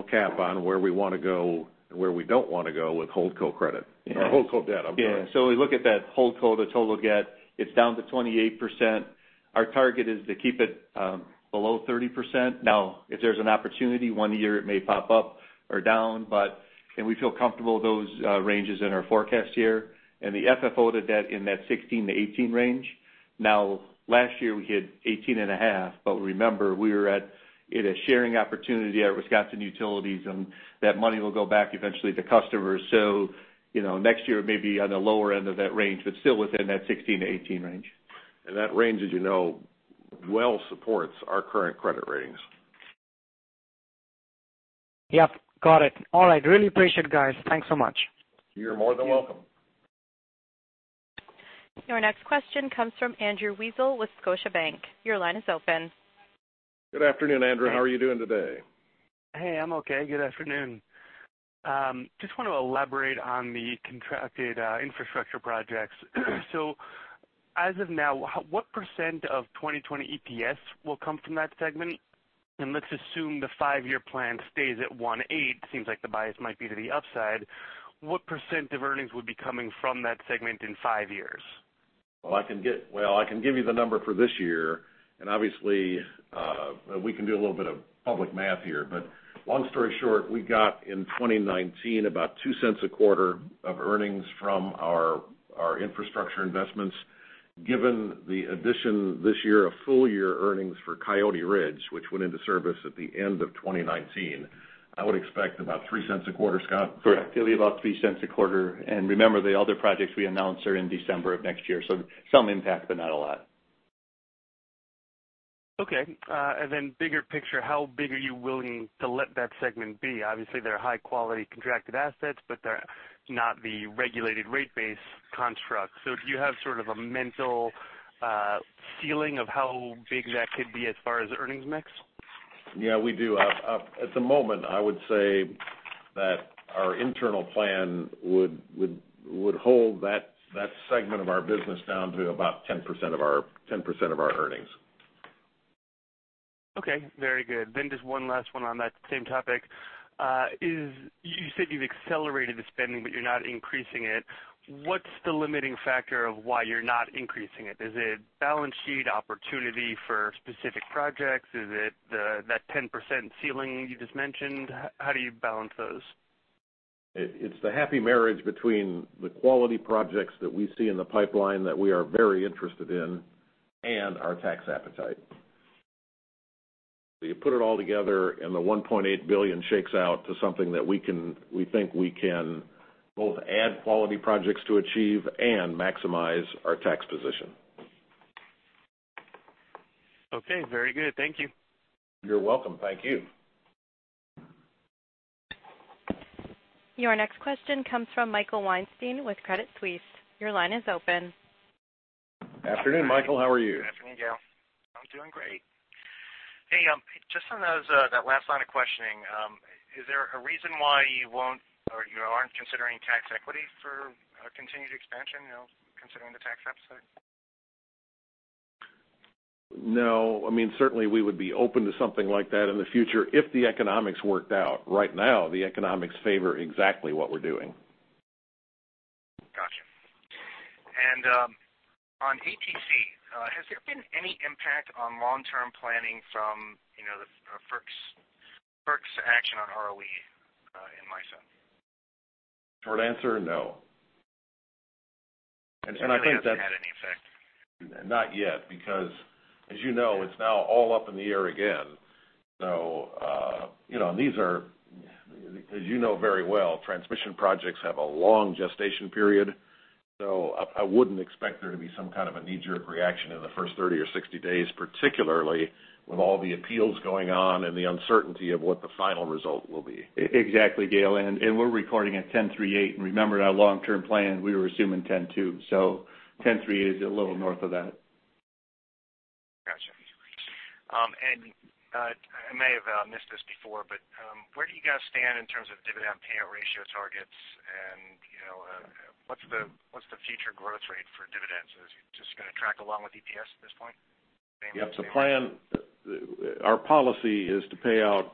cap on where we want to go and where we don't want to go with holdco credit or holdco debt, I'm sorry. Yeah. We look at that holdco, the total debt, it's down to 28%. Our target is to keep it below 30%. If there's an opportunity, one year it may pop up or down, and we feel comfortable those ranges in our forecast year, and the FFO to debt in that 16-18 range. Last year we hit 18.5, remember, we were at a sharing opportunity at Wisconsin Utilities, and that money will go back eventually to customers. Next year it may be on the lower end of that range, still within that 16-18 range. That range, as you know well, supports our current credit ratings. Yep, got it. All right. Really appreciate it, guys. Thanks so much. You're more than welcome. Thank you. Your next question comes from Andrew Weisel with Scotiabank. Your line is open. Good afternoon, Andrew. How are you doing today? Hey, I'm okay. Good afternoon. Just want to elaborate on the contracted infrastructure projects. As of now, what percent of 2020 EPS will come from that segment? Let's assume the five-year plan stays at one eight, seems like the bias might be to the upside. What percent of earnings would be coming from that segment in five years? Well, I can give you the number for this year. Obviously, we can do a little bit of public math here. Long story short, we got in 2019 about $0.02 a quarter of earnings from our infrastructure investments. Given the addition this year of full year earnings for Coyote Ridge, which went into service at the end of 2019, I would expect about $0.03 a quarter. Scott? Correct. It'll be about $0.03 a quarter. Remember, the other projects we announced are in December of next year. Some impact, but not a lot. Okay. Bigger picture, how big are you willing to let that segment be? Obviously, they're high-quality contracted assets, but they're not the regulated rate base construct. Do you have sort of a mental ceiling of how big that could be as far as earnings mix? Yeah, we do. At the moment, I would say that our internal plan would hold that segment of our business down to about 10% of our earnings. Okay, very good. Just one last one on that same topic. You said you've accelerated the spending, but you're not increasing it. What's the limiting factor of why you're not increasing it? Is it balance sheet opportunity for specific projects? Is it that 10% ceiling you just mentioned? How do you balance those? It's the happy marriage between the quality projects that we see in the pipeline that we are very interested in and our tax appetite. You put it all together, and the $1.8 billion shakes out to something that we think we can both add quality projects to achieve and maximize our tax position. Okay, very good. Thank you. You're welcome. Thank you. Your next question comes from Michael Weinstein with Credit Suisse. Your line is open. Afternoon, Michael. How are you? Good afternoon, Gale. I'm doing great. Hey, just on that last line of questioning, is there a reason why you aren't considering tax equity for continued expansion, considering the tax appetite? No. Certainly, we would be open to something like that in the future if the economics worked out. Right now, the economics favor exactly what we're doing. Got you. On ATC, has there been any impact on long-term planning from FERC's action on ROE in MISO? Short answer, no. Hasn't had any effect? Not yet, because as you know, it's now all up in the air again. As you know very well, transmission projects have a long gestation period. I wouldn't expect there to be some kind of a knee-jerk reaction in the first 30 or 60 days, particularly with all the appeals going on and the uncertainty of what the final result will be. Exactly, Gale. We're recording at 10.38%. Remember in our long-term plan, we were assuming 10.2%. 10.38% is a little north of that. Got you. I may have missed this before, but where do you guys stand in terms of dividend payout ratio targets? What's the future growth rate for dividends? Is it just going to track along with EPS at this point? Yep. Our policy is to pay out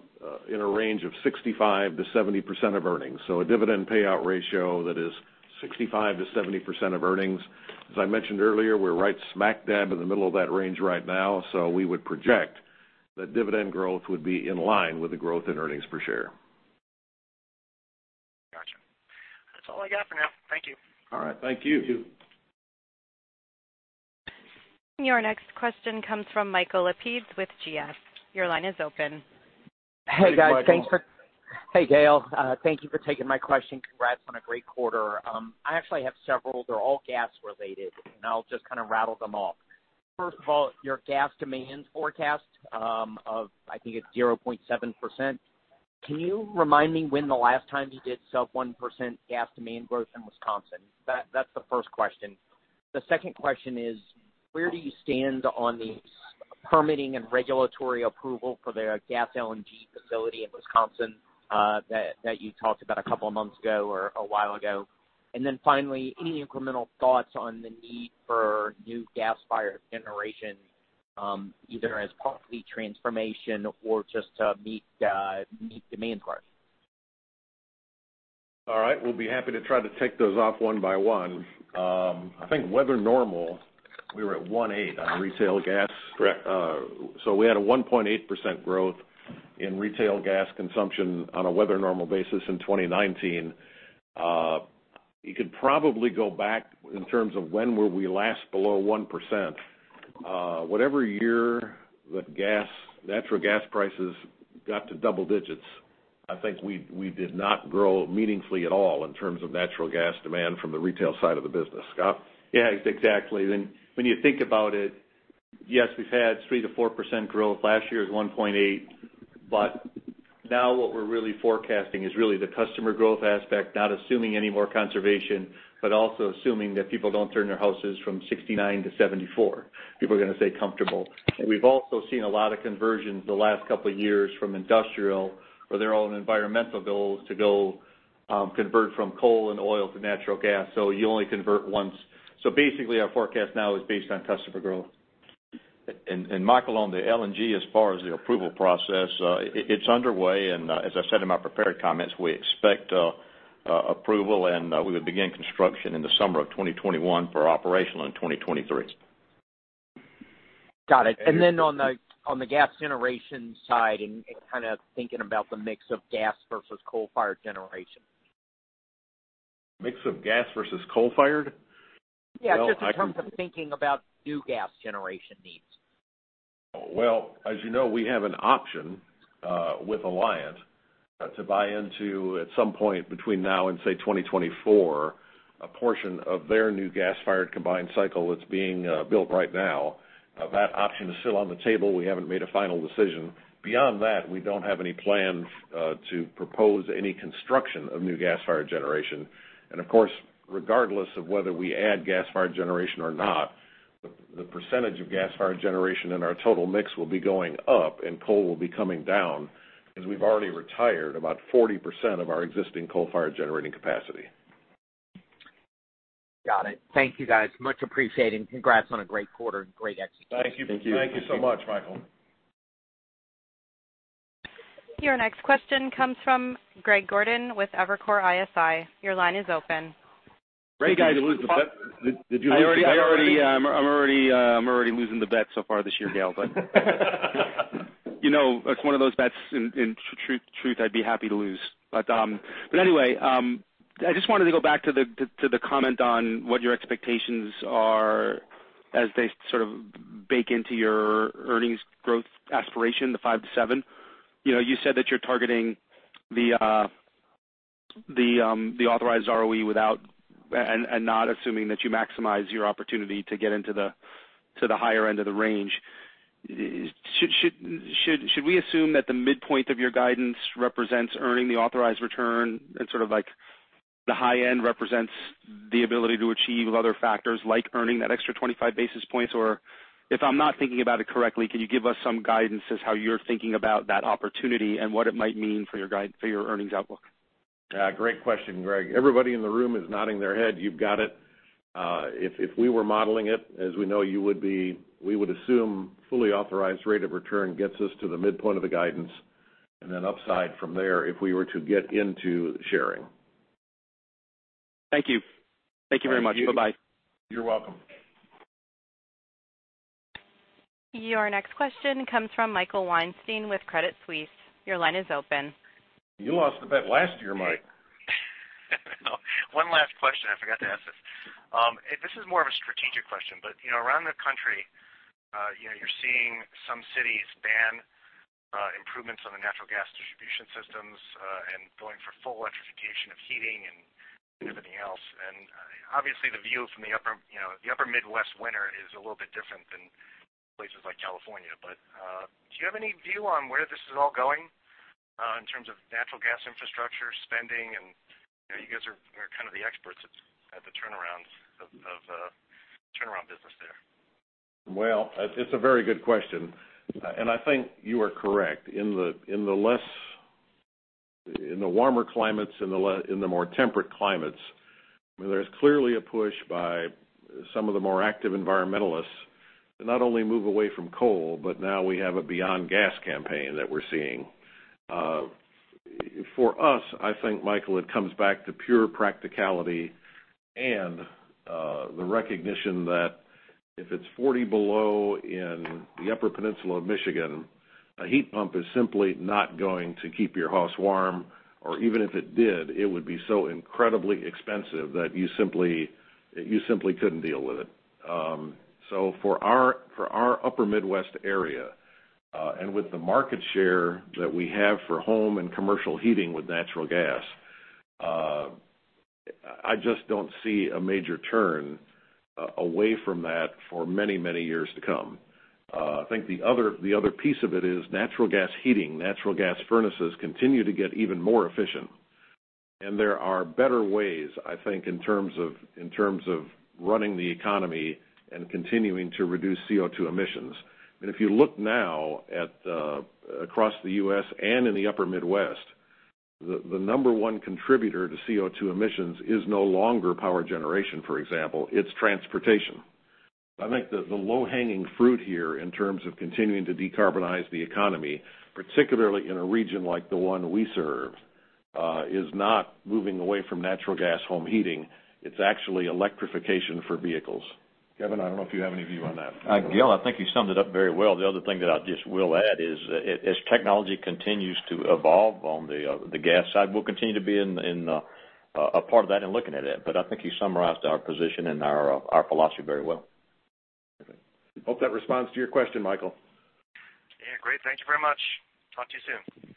in a range of 65%-70% of earnings. A dividend payout ratio that is 65%-70% of earnings. As I mentioned earlier, we're right smack dab in the middle of that range right now. We would project that dividend growth would be in line with the growth in earnings per share. Got you. That is all I got for now. Thank you. All right. Thank you. Thank you. Your next question comes from Michael Lapides with GS. Your line is open. Hey, Michael. Hey, guys. Thanks for Hey, Gale. Thank you for taking my question. Congrats on a great quarter. I actually have several. They're all gas-related, and I'll just kind of rattle them off. First of all, your gas demand forecast of, I think it's 0.7%. Can you remind me when the last time you did sub 1% gas demand growth in Wisconsin? That's the first question. The second question is, where do you stand on the permitting and regulatory approval for the gas LNG facility in Wisconsin that you talked about a couple of months ago or a while ago? Finally, any incremental thoughts on the need for new gas-fired generation, either as fleet transformation or just to meet demand growth? All right. We'll be happy to try to take those off one by one. I think weather normal, we were at 18 on retail gas. Correct. We had a 1.8% growth in retail gas consumption on a weather normal basis in 2019. You could probably go back in terms of when were we last below 1%. Whatever year the natural gas prices got to double digits, I think we did not grow meaningfully at all in terms of natural gas demand from the retail side of the business. Scott? Exactly. When you think about it, yes, we've had 3%-4% growth. Last year was 1.8%. Now what we're really forecasting is really the customer growth aspect, not assuming any more conservation, but also assuming that people don't turn their houses from 69 to 74. People are going to stay comfortable. We've also seen a lot of conversions the last couple of years from industrial, where their own environmental goals to go convert from coal and oil to natural gas. You only convert once. Basically, our forecast now is based on customer growth. Michael, on the LNG, as far as the approval process, it's underway. As I said in my prepared comments, we expect approval, and we would begin construction in the summer of 2021 for operational in 2023. Got it. On the gas generation side and kind of thinking about the mix of gas versus coal-fired generation. Mix of gas versus coal-fired? Just in terms of thinking about new gas generation needs. Well, as you know, we have an option with Alliant to buy into, at some point between now and, say, 2024, a portion of their new gas-fired combined cycle that's being built right now. That option is still on the table. We haven't made a final decision. Beyond that, we don't have any plans to propose any construction of new gas-fired generation. Of course, regardless of whether we add gas-fired generation or not, the percentage of gas-fired generation in our total mix will be going up and coal will be coming down as we've already retired about 40% of our existing coal-fired generating capacity. Got it. Thank you guys. Much appreciated. Congrats on a great quarter and great execution. Thank you. Thank you. Thank you so much, Michael. Your next question comes from Greg Gordon with Evercore ISI. Your line is open. Greg, did you lose the bet? I'm already losing the bet so far this year, Gale, but it's one of those bets, in truth, I'd be happy to lose. Anyway, I just wanted to go back to the comment on what your expectations are as they sort of bake into your earnings growth aspiration, the 5%-7%. You said that you're targeting the authorized ROE and not assuming that you maximize your opportunity to get into the higher end of the range. Should we assume that the midpoint of your guidance represents earning the authorized return and sort of like the high end represents the ability to achieve other factors like earning that extra 25 basis points? If I'm not thinking about it correctly, can you give us some guidance as how you're thinking about that opportunity and what it might mean for your earnings outlook? Great question, Greg. Everybody in the room is nodding their head. You've got it. If we were modeling it, as we know you would be, we would assume fully authorized rate of return gets us to the midpoint of the guidance, and then upside from there if we were to get into sharing. Thank you. Thank you very much. Bye-bye. You're welcome. Your next question comes from Michael Weinstein with Credit Suisse. Your line is open. You lost the bet last year, Mike. One last question. I forgot to ask this. This is more of a strategic question, around the country, you're seeing some cities ban improvements on the natural gas distribution systems and going for full electrification of heating and everything else. Obviously the view from the upper Midwest winter is a little bit different than places like California. Do you have any view on where this is all going in terms of natural gas infrastructure spending? You guys are kind of the experts at the turnaround business there. It's a very good question, and I think you are correct. In the warmer climates, in the more temperate climates, there's clearly a push by some of the more active environmentalists to not only move away from coal, but now we have a beyond gas campaign that we're seeing. For us, I think, Michael, it comes back to pure practicality and the recognition that if it's 40 below in the Upper Peninsula of Michigan, a heat pump is simply not going to keep your house warm. Even if it did, it would be so incredibly expensive that you simply couldn't deal with it. For our Upper Midwest area, and with the market share that we have for home and commercial heating with natural gas, I just don't see a major turn away from that for many, many years to come. I think the other piece of it is natural gas heating, natural gas furnaces continue to get even more efficient. There are better ways, I think, in terms of running the economy and continuing to reduce CO2 emissions. If you look now across the U.S. and in the upper Midwest, the number one contributor to CO2 emissions is no longer power generation, for example. It's transportation. I think the low-hanging fruit here in terms of continuing to decarbonize the economy, particularly in a region like the one we serve, is not moving away from natural gas home heating. It's actually electrification for vehicles. Kevin, I don't know if you have any view on that. Gale, I think you summed it up very well. The other thing that I just will add is as technology continues to evolve on the gas side, we'll continue to be a part of that and looking at that. I think you summarized our position and our philosophy very well. Hope that responds to your question, Michael. Yeah, great. Thank you very much. Talk to you soon.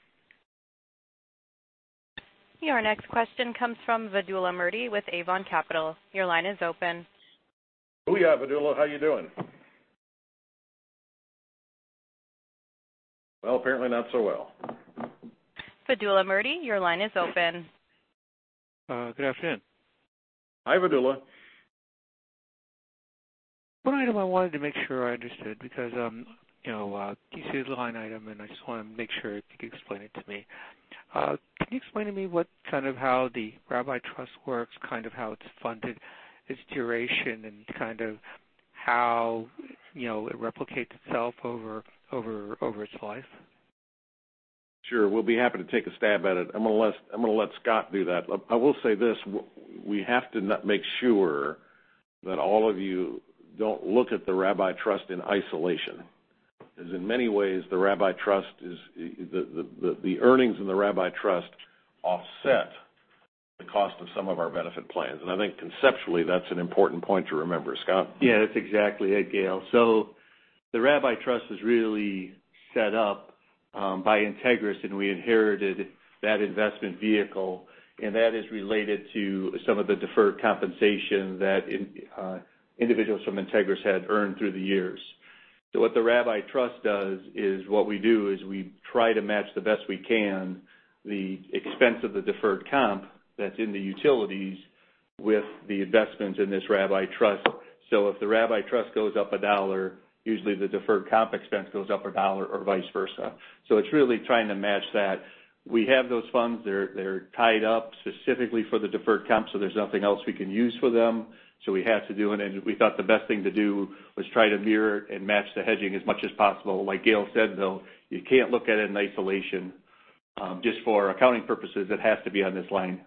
Your next question comes from Vedula Murti with Avon Capital. Your line is open. Oh, yeah, Vedula. How you doing? Well, apparently not so well. Vedula Murti, your line is open. Good afternoon. Hi, Vedula. One item I wanted to make sure I understood because you see this line item, and I just want to make sure if you could explain it to me. Can you explain to me how the Rabbi Trust works, how it's funded, its duration, and how it replicates itself over its life? Sure. We'll be happy to take a stab at it. I'm going to let Scott do that. I will say this, we have to make sure that all of you don't look at the Rabbi Trust in isolation. In many ways, the earnings in the Rabbi Trust offset the cost of some of our benefit plans. I think conceptually, that's an important point to remember. Scott? Yeah, that's exactly it, Gale. The Rabbi Trust was really set up by Integrys, and we inherited that investment vehicle, and that is related to some of the deferred compensation that individuals from Integrys had earned through the years. What the Rabbi Trust does is we try to match the best we can the expense of the deferred comp that's in the utilities with the investments in this Rabbi Trust. If the Rabbi Trust goes up $1, usually the deferred comp expense goes up $1 or vice versa. It's really trying to match that. We have those funds. They're tied up specifically for the deferred comp, so there's nothing else we can use for them. We had to do it, and we thought the best thing to do was try to mirror it and match the hedging as much as possible. Like Gale said, though, you can't look at it in isolation. Just for accounting purposes, it has to be on this line,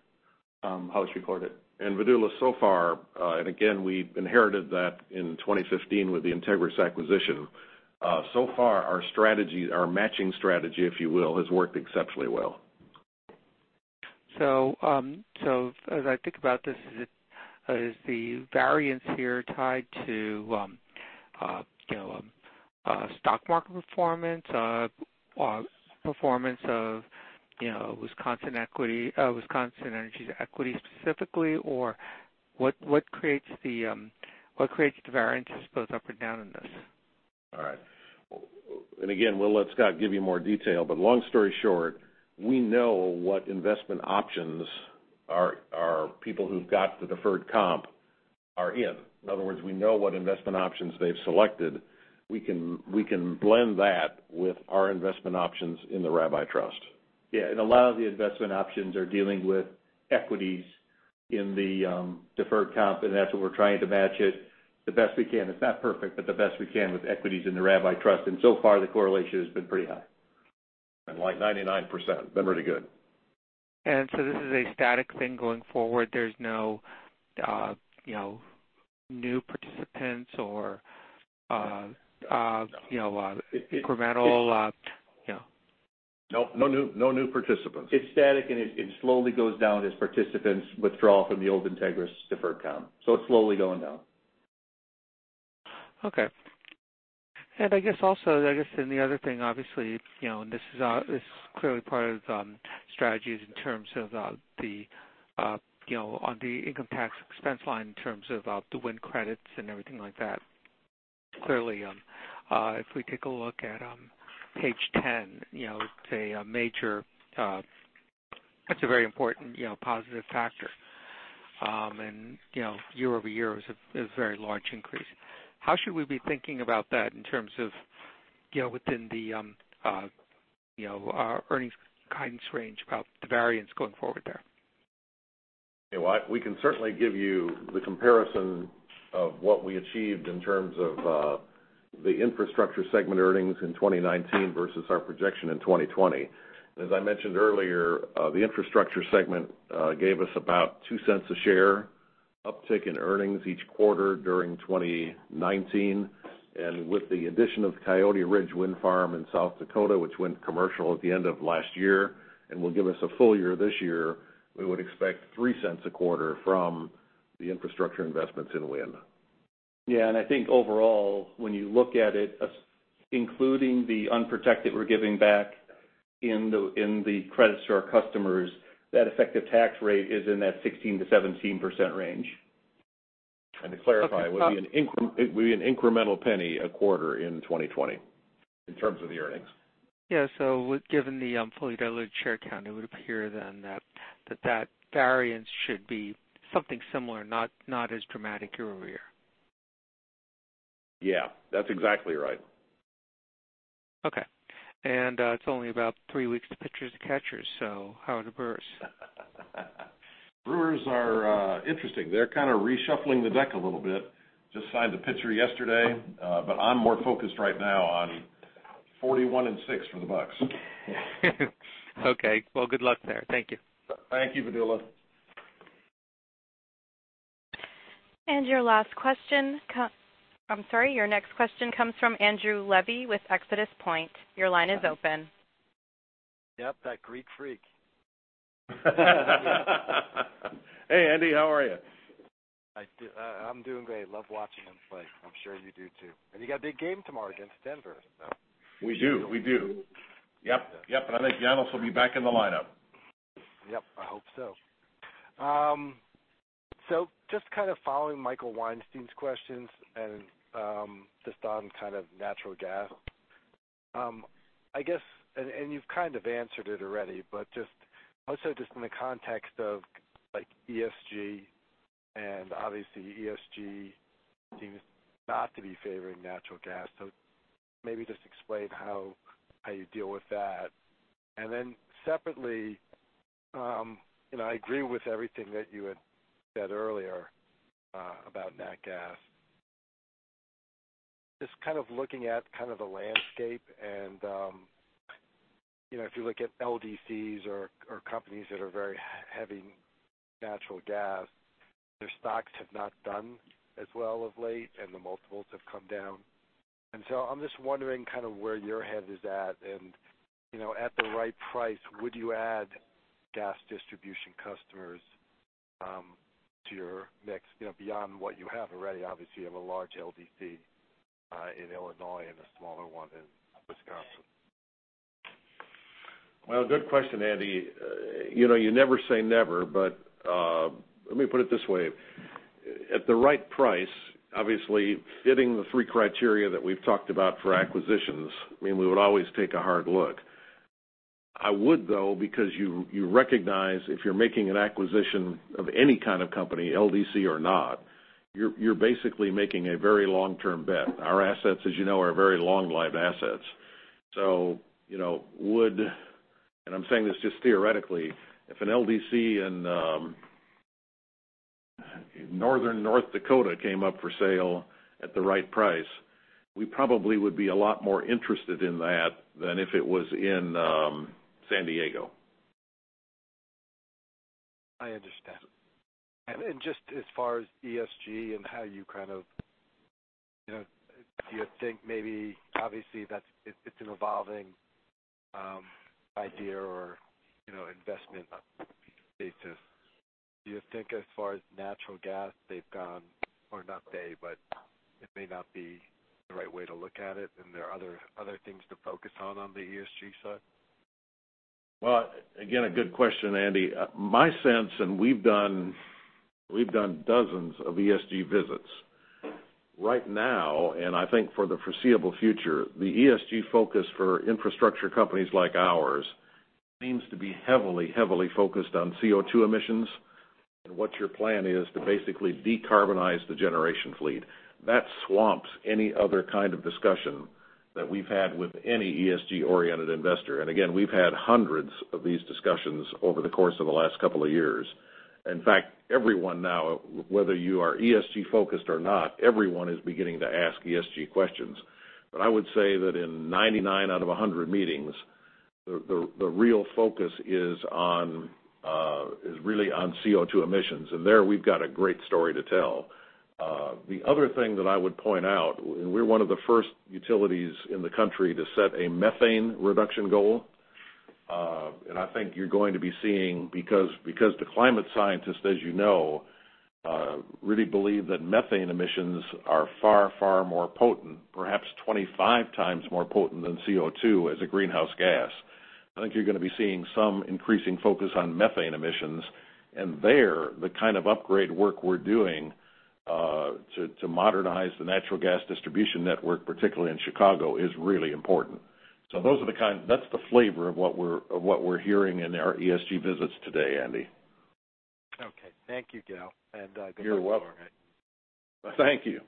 how it's recorded. Vedula, so far, and again, we inherited that in 2015 with the Integrys acquisition. So far, our matching strategy, if you will, has worked exceptionally well. As I think about this, is the variance here tied to stock market performance or performance of Wisconsin Energy's equity specifically, or what creates the variances, both up and down in this? All right. Again, we'll let Scott give you more detail, but long story short, we know what investment options our people who've got the deferred comp are in. In other words, we know what investment options they've selected. We can blend that with our investment options in the Rabbi Trust. A lot of the investment options are dealing with equities in the deferred comp. That's what we're trying to match it the best we can. It's not perfect, but the best we can with equities in the Rabbi Trust. So far, the correlation has been pretty high. Like 99%, been really good. This is a static thing going forward. There's no new participants or incremental. No. No new participants. It's static. It slowly goes down as participants withdraw from the old Integrys deferred comp. It's slowly going down. Okay. I guess also, the other thing, obviously, this is clearly part of the strategies in terms of the income tax expense line in terms of the wind credits and everything like that. Clearly, if we take a look at page 10, that's a very important positive factor. Year-over-year is a very large increase. How should we be thinking about that in terms of within the earnings guidance range about the variance going forward there? We can certainly give you the comparison of what we achieved in terms of the infrastructure segment earnings in 2019 versus our projection in 2020. As I mentioned earlier, the infrastructure segment gave us about $0.02 a share uptick in earnings each quarter during 2019. With the addition of Coyote Ridge Wind Farm in South Dakota, which went commercial at the end of last year and will give us a full year this year, we would expect $0.03 a quarter from the infrastructure investments in wind. I think overall, when you look at it, including the unprotected we're giving back in the credits to our customers, that effective tax rate is in that 16%-17% range. To clarify, it would be an incremental $0.01 a quarter in 2020 in terms of the earnings. Yeah. Given the fully diluted share count, it would appear then that that variance should be something similar, not as dramatic year-over-year. Yeah. That's exactly right. Okay. It's only about three weeks to pitchers to catchers, so how are the Brewers? Brewers are interesting. They're kind of reshuffling the deck a little bit. Just signed a pitcher yesterday. I'm more focused right now on 41 and six for the Bucks. Okay. Well, good luck there. Thank you. Thank you, Vedula. Your next question comes from Andrew Levy with ExodusPoint. Your line is open. Yep, that Greek freak. Hey, Andy, how are you? I'm doing great. Love watching him play. I'm sure you do too. You got a big game tomorrow against Denver, so. We do. Yep. I think Giannis will be back in the lineup. Yep, I hope so. Just kind of following Michael Weinstein's questions and just on kind of natural gas. I guess, and you've kind of answered it already, but just also just in the context of ESG, and obviously ESG seems not to be favoring natural gas, so maybe just explain how you deal with that. Separately, I agree with everything that you had said earlier about nat gas. Just kind of looking at kind of the landscape and if you look at LDCs or companies that are very heavy natural gas, their stocks have not done as well of late and the multiples have come down. I'm just wondering kind of where your head is at and at the right price, would you add gas distribution customers to your mix beyond what you have already? Obviously, you have a large LDC in Illinois and a smaller one in Wisconsin. Well, good question, Andy. You never say never, but let me put it this way. At the right price, obviously fitting the three criteria that we've talked about for acquisitions, we would always take a hard look. I would, though, because you recognize if you're making an acquisition of any kind of company, LDC or not, you're basically making a very long-term bet. Our assets, as you know, are very long-lived assets. Would, and I'm saying this just theoretically, if an LDC in northern North Dakota came up for sale at the right price, we probably would be a lot more interested in that than if it was in San Diego. I understand. Just as far as ESG and how you kind of think maybe, obviously it's an evolving idea or investment thesis. Do you think as far as natural gas, it may not be the right way to look at it, and there are other things to focus on on the ESG side? Well, again, a good question, Andy. My sense, and we've done dozens of ESG visits. Right now, and I think for the foreseeable future, the ESG focus for infrastructure companies like ours seems to be heavily focused on CO2 emissions and what your plan is to basically decarbonize the generation fleet. That swamps any other kind of discussion that we've had with any ESG-oriented investor. Again, we've had hundreds of these discussions over the course of the last couple of years. In fact, everyone now, whether you are ESG-focused or not, everyone is beginning to ask ESG questions. I would say that in 99 out of 100 meetings, the real focus is really on CO2 emissions, and there we've got a great story to tell. The other thing that I would point out, and we're one of the first utilities in the country to set a methane reduction goal, and I think you're going to be seeing because the climate scientists, as you know, really believe that methane emissions are far, far more potent, perhaps 25 times more potent than CO2 as a greenhouse gas. I think you're going to be seeing some increasing focus on methane emissions, and there, the kind of upgrade work we're doing to modernize the natural gas distribution network, particularly in Chicago, is really important. Those are the kind, that's the flavor of what we're hearing in our ESG visits today, Andy. Okay. Thank you, Gale, and good luck tomorrow. You're welcome. Thank you.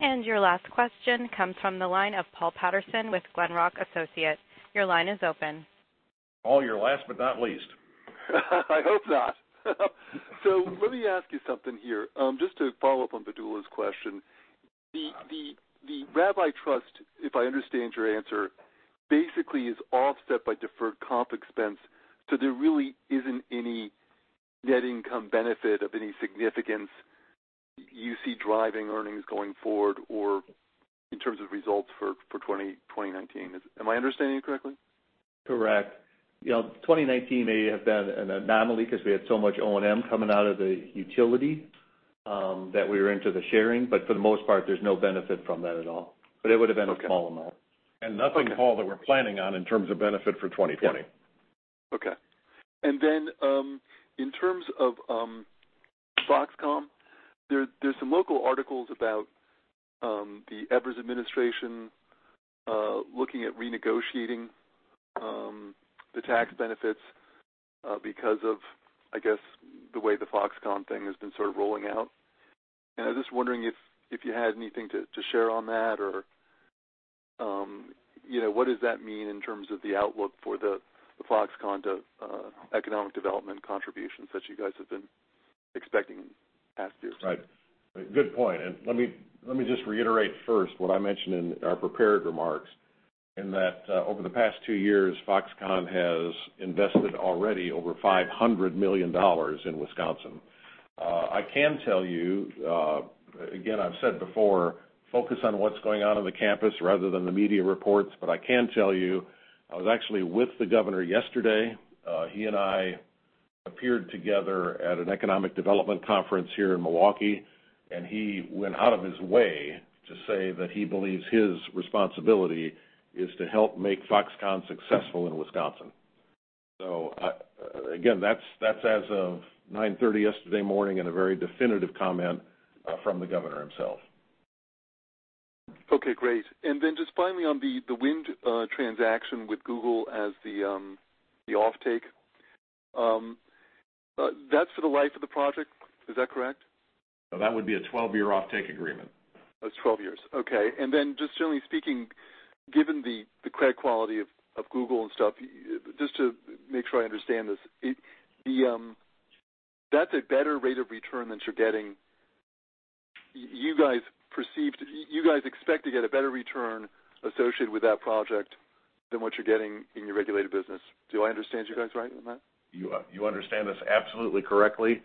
Your last question comes from the line of Paul Patterson with Glenrock Associates. Your line is open. Paul, you're last but not least. I hope not. Let me ask you something here. Just to follow up on Vedula's question. The Rabbi Trust, if I understand your answer, basically is offset by deferred comp expense, so there really isn't any net income benefit of any significance you see driving earnings going forward or in terms of results for 2019. Am I understanding you correctly? Correct. 2019 may have been an anomaly because we had so much O&M coming out of the utility that we were into the sharing. For the most part, there's no benefit from that at all. It would've been a small amount. Okay. Nothing, Paul, that we're planning on in terms of benefit for 2020. Okay. In terms of Foxconn, there's some local articles about the Evers administration looking at renegotiating the tax benefits because of, I guess, the way the Foxconn thing has been sort of rolling out. I was just wondering if you had anything to share on that or what does that mean in terms of the outlook for the Foxconn economic development contributions that you guys have been expecting in past years? Right. Good point. Let me just reiterate first what I mentioned in our prepared remarks, in that over the past two years, Foxconn has invested already over $500 million in Wisconsin. I can tell you, again, I've said before, focus on what's going on in the campus rather than the media reports. I can tell you, I was actually with the governor yesterday. He and I appeared together at an economic development conference here in Milwaukee, and he went out of his way to say that he believes his responsibility is to help make Foxconn successful in Wisconsin. Again, that's as of 9:30 A.M. yesterday morning and a very definitive comment from the governor himself. Okay, great. Just finally on the wind transaction with Google as the offtake, that's for the life of the project, is that correct? No, that would be a 12-year offtake agreement. That's 12 years, okay. Just generally speaking, given the credit quality of Google and stuff, just to make sure I understand this. That's a better rate of return than you're getting. You guys expect to get a better return associated with that project than what you're getting in your regulated business. Do I understand you guys right on that? You understand us absolutely correctly,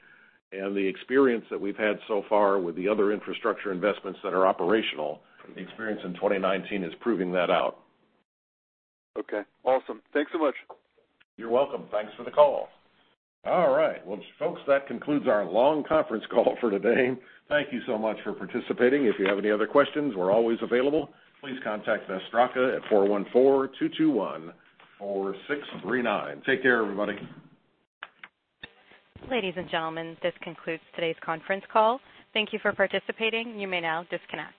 and the experience that we've had so far with the other infrastructure investments that are operational, the experience in 2019 is proving that out. Okay, awesome. Thanks so much. You're welcome. Thanks for the call. All right. Well, folks, that concludes our long conference call for today. Thank you so much for participating. If you have any other questions, we're always available. Please contact Beth Straka at 414 221 4639. Take care, everybody. Ladies and gentlemen, this concludes today's conference call. Thank you for participating. You may now disconnect.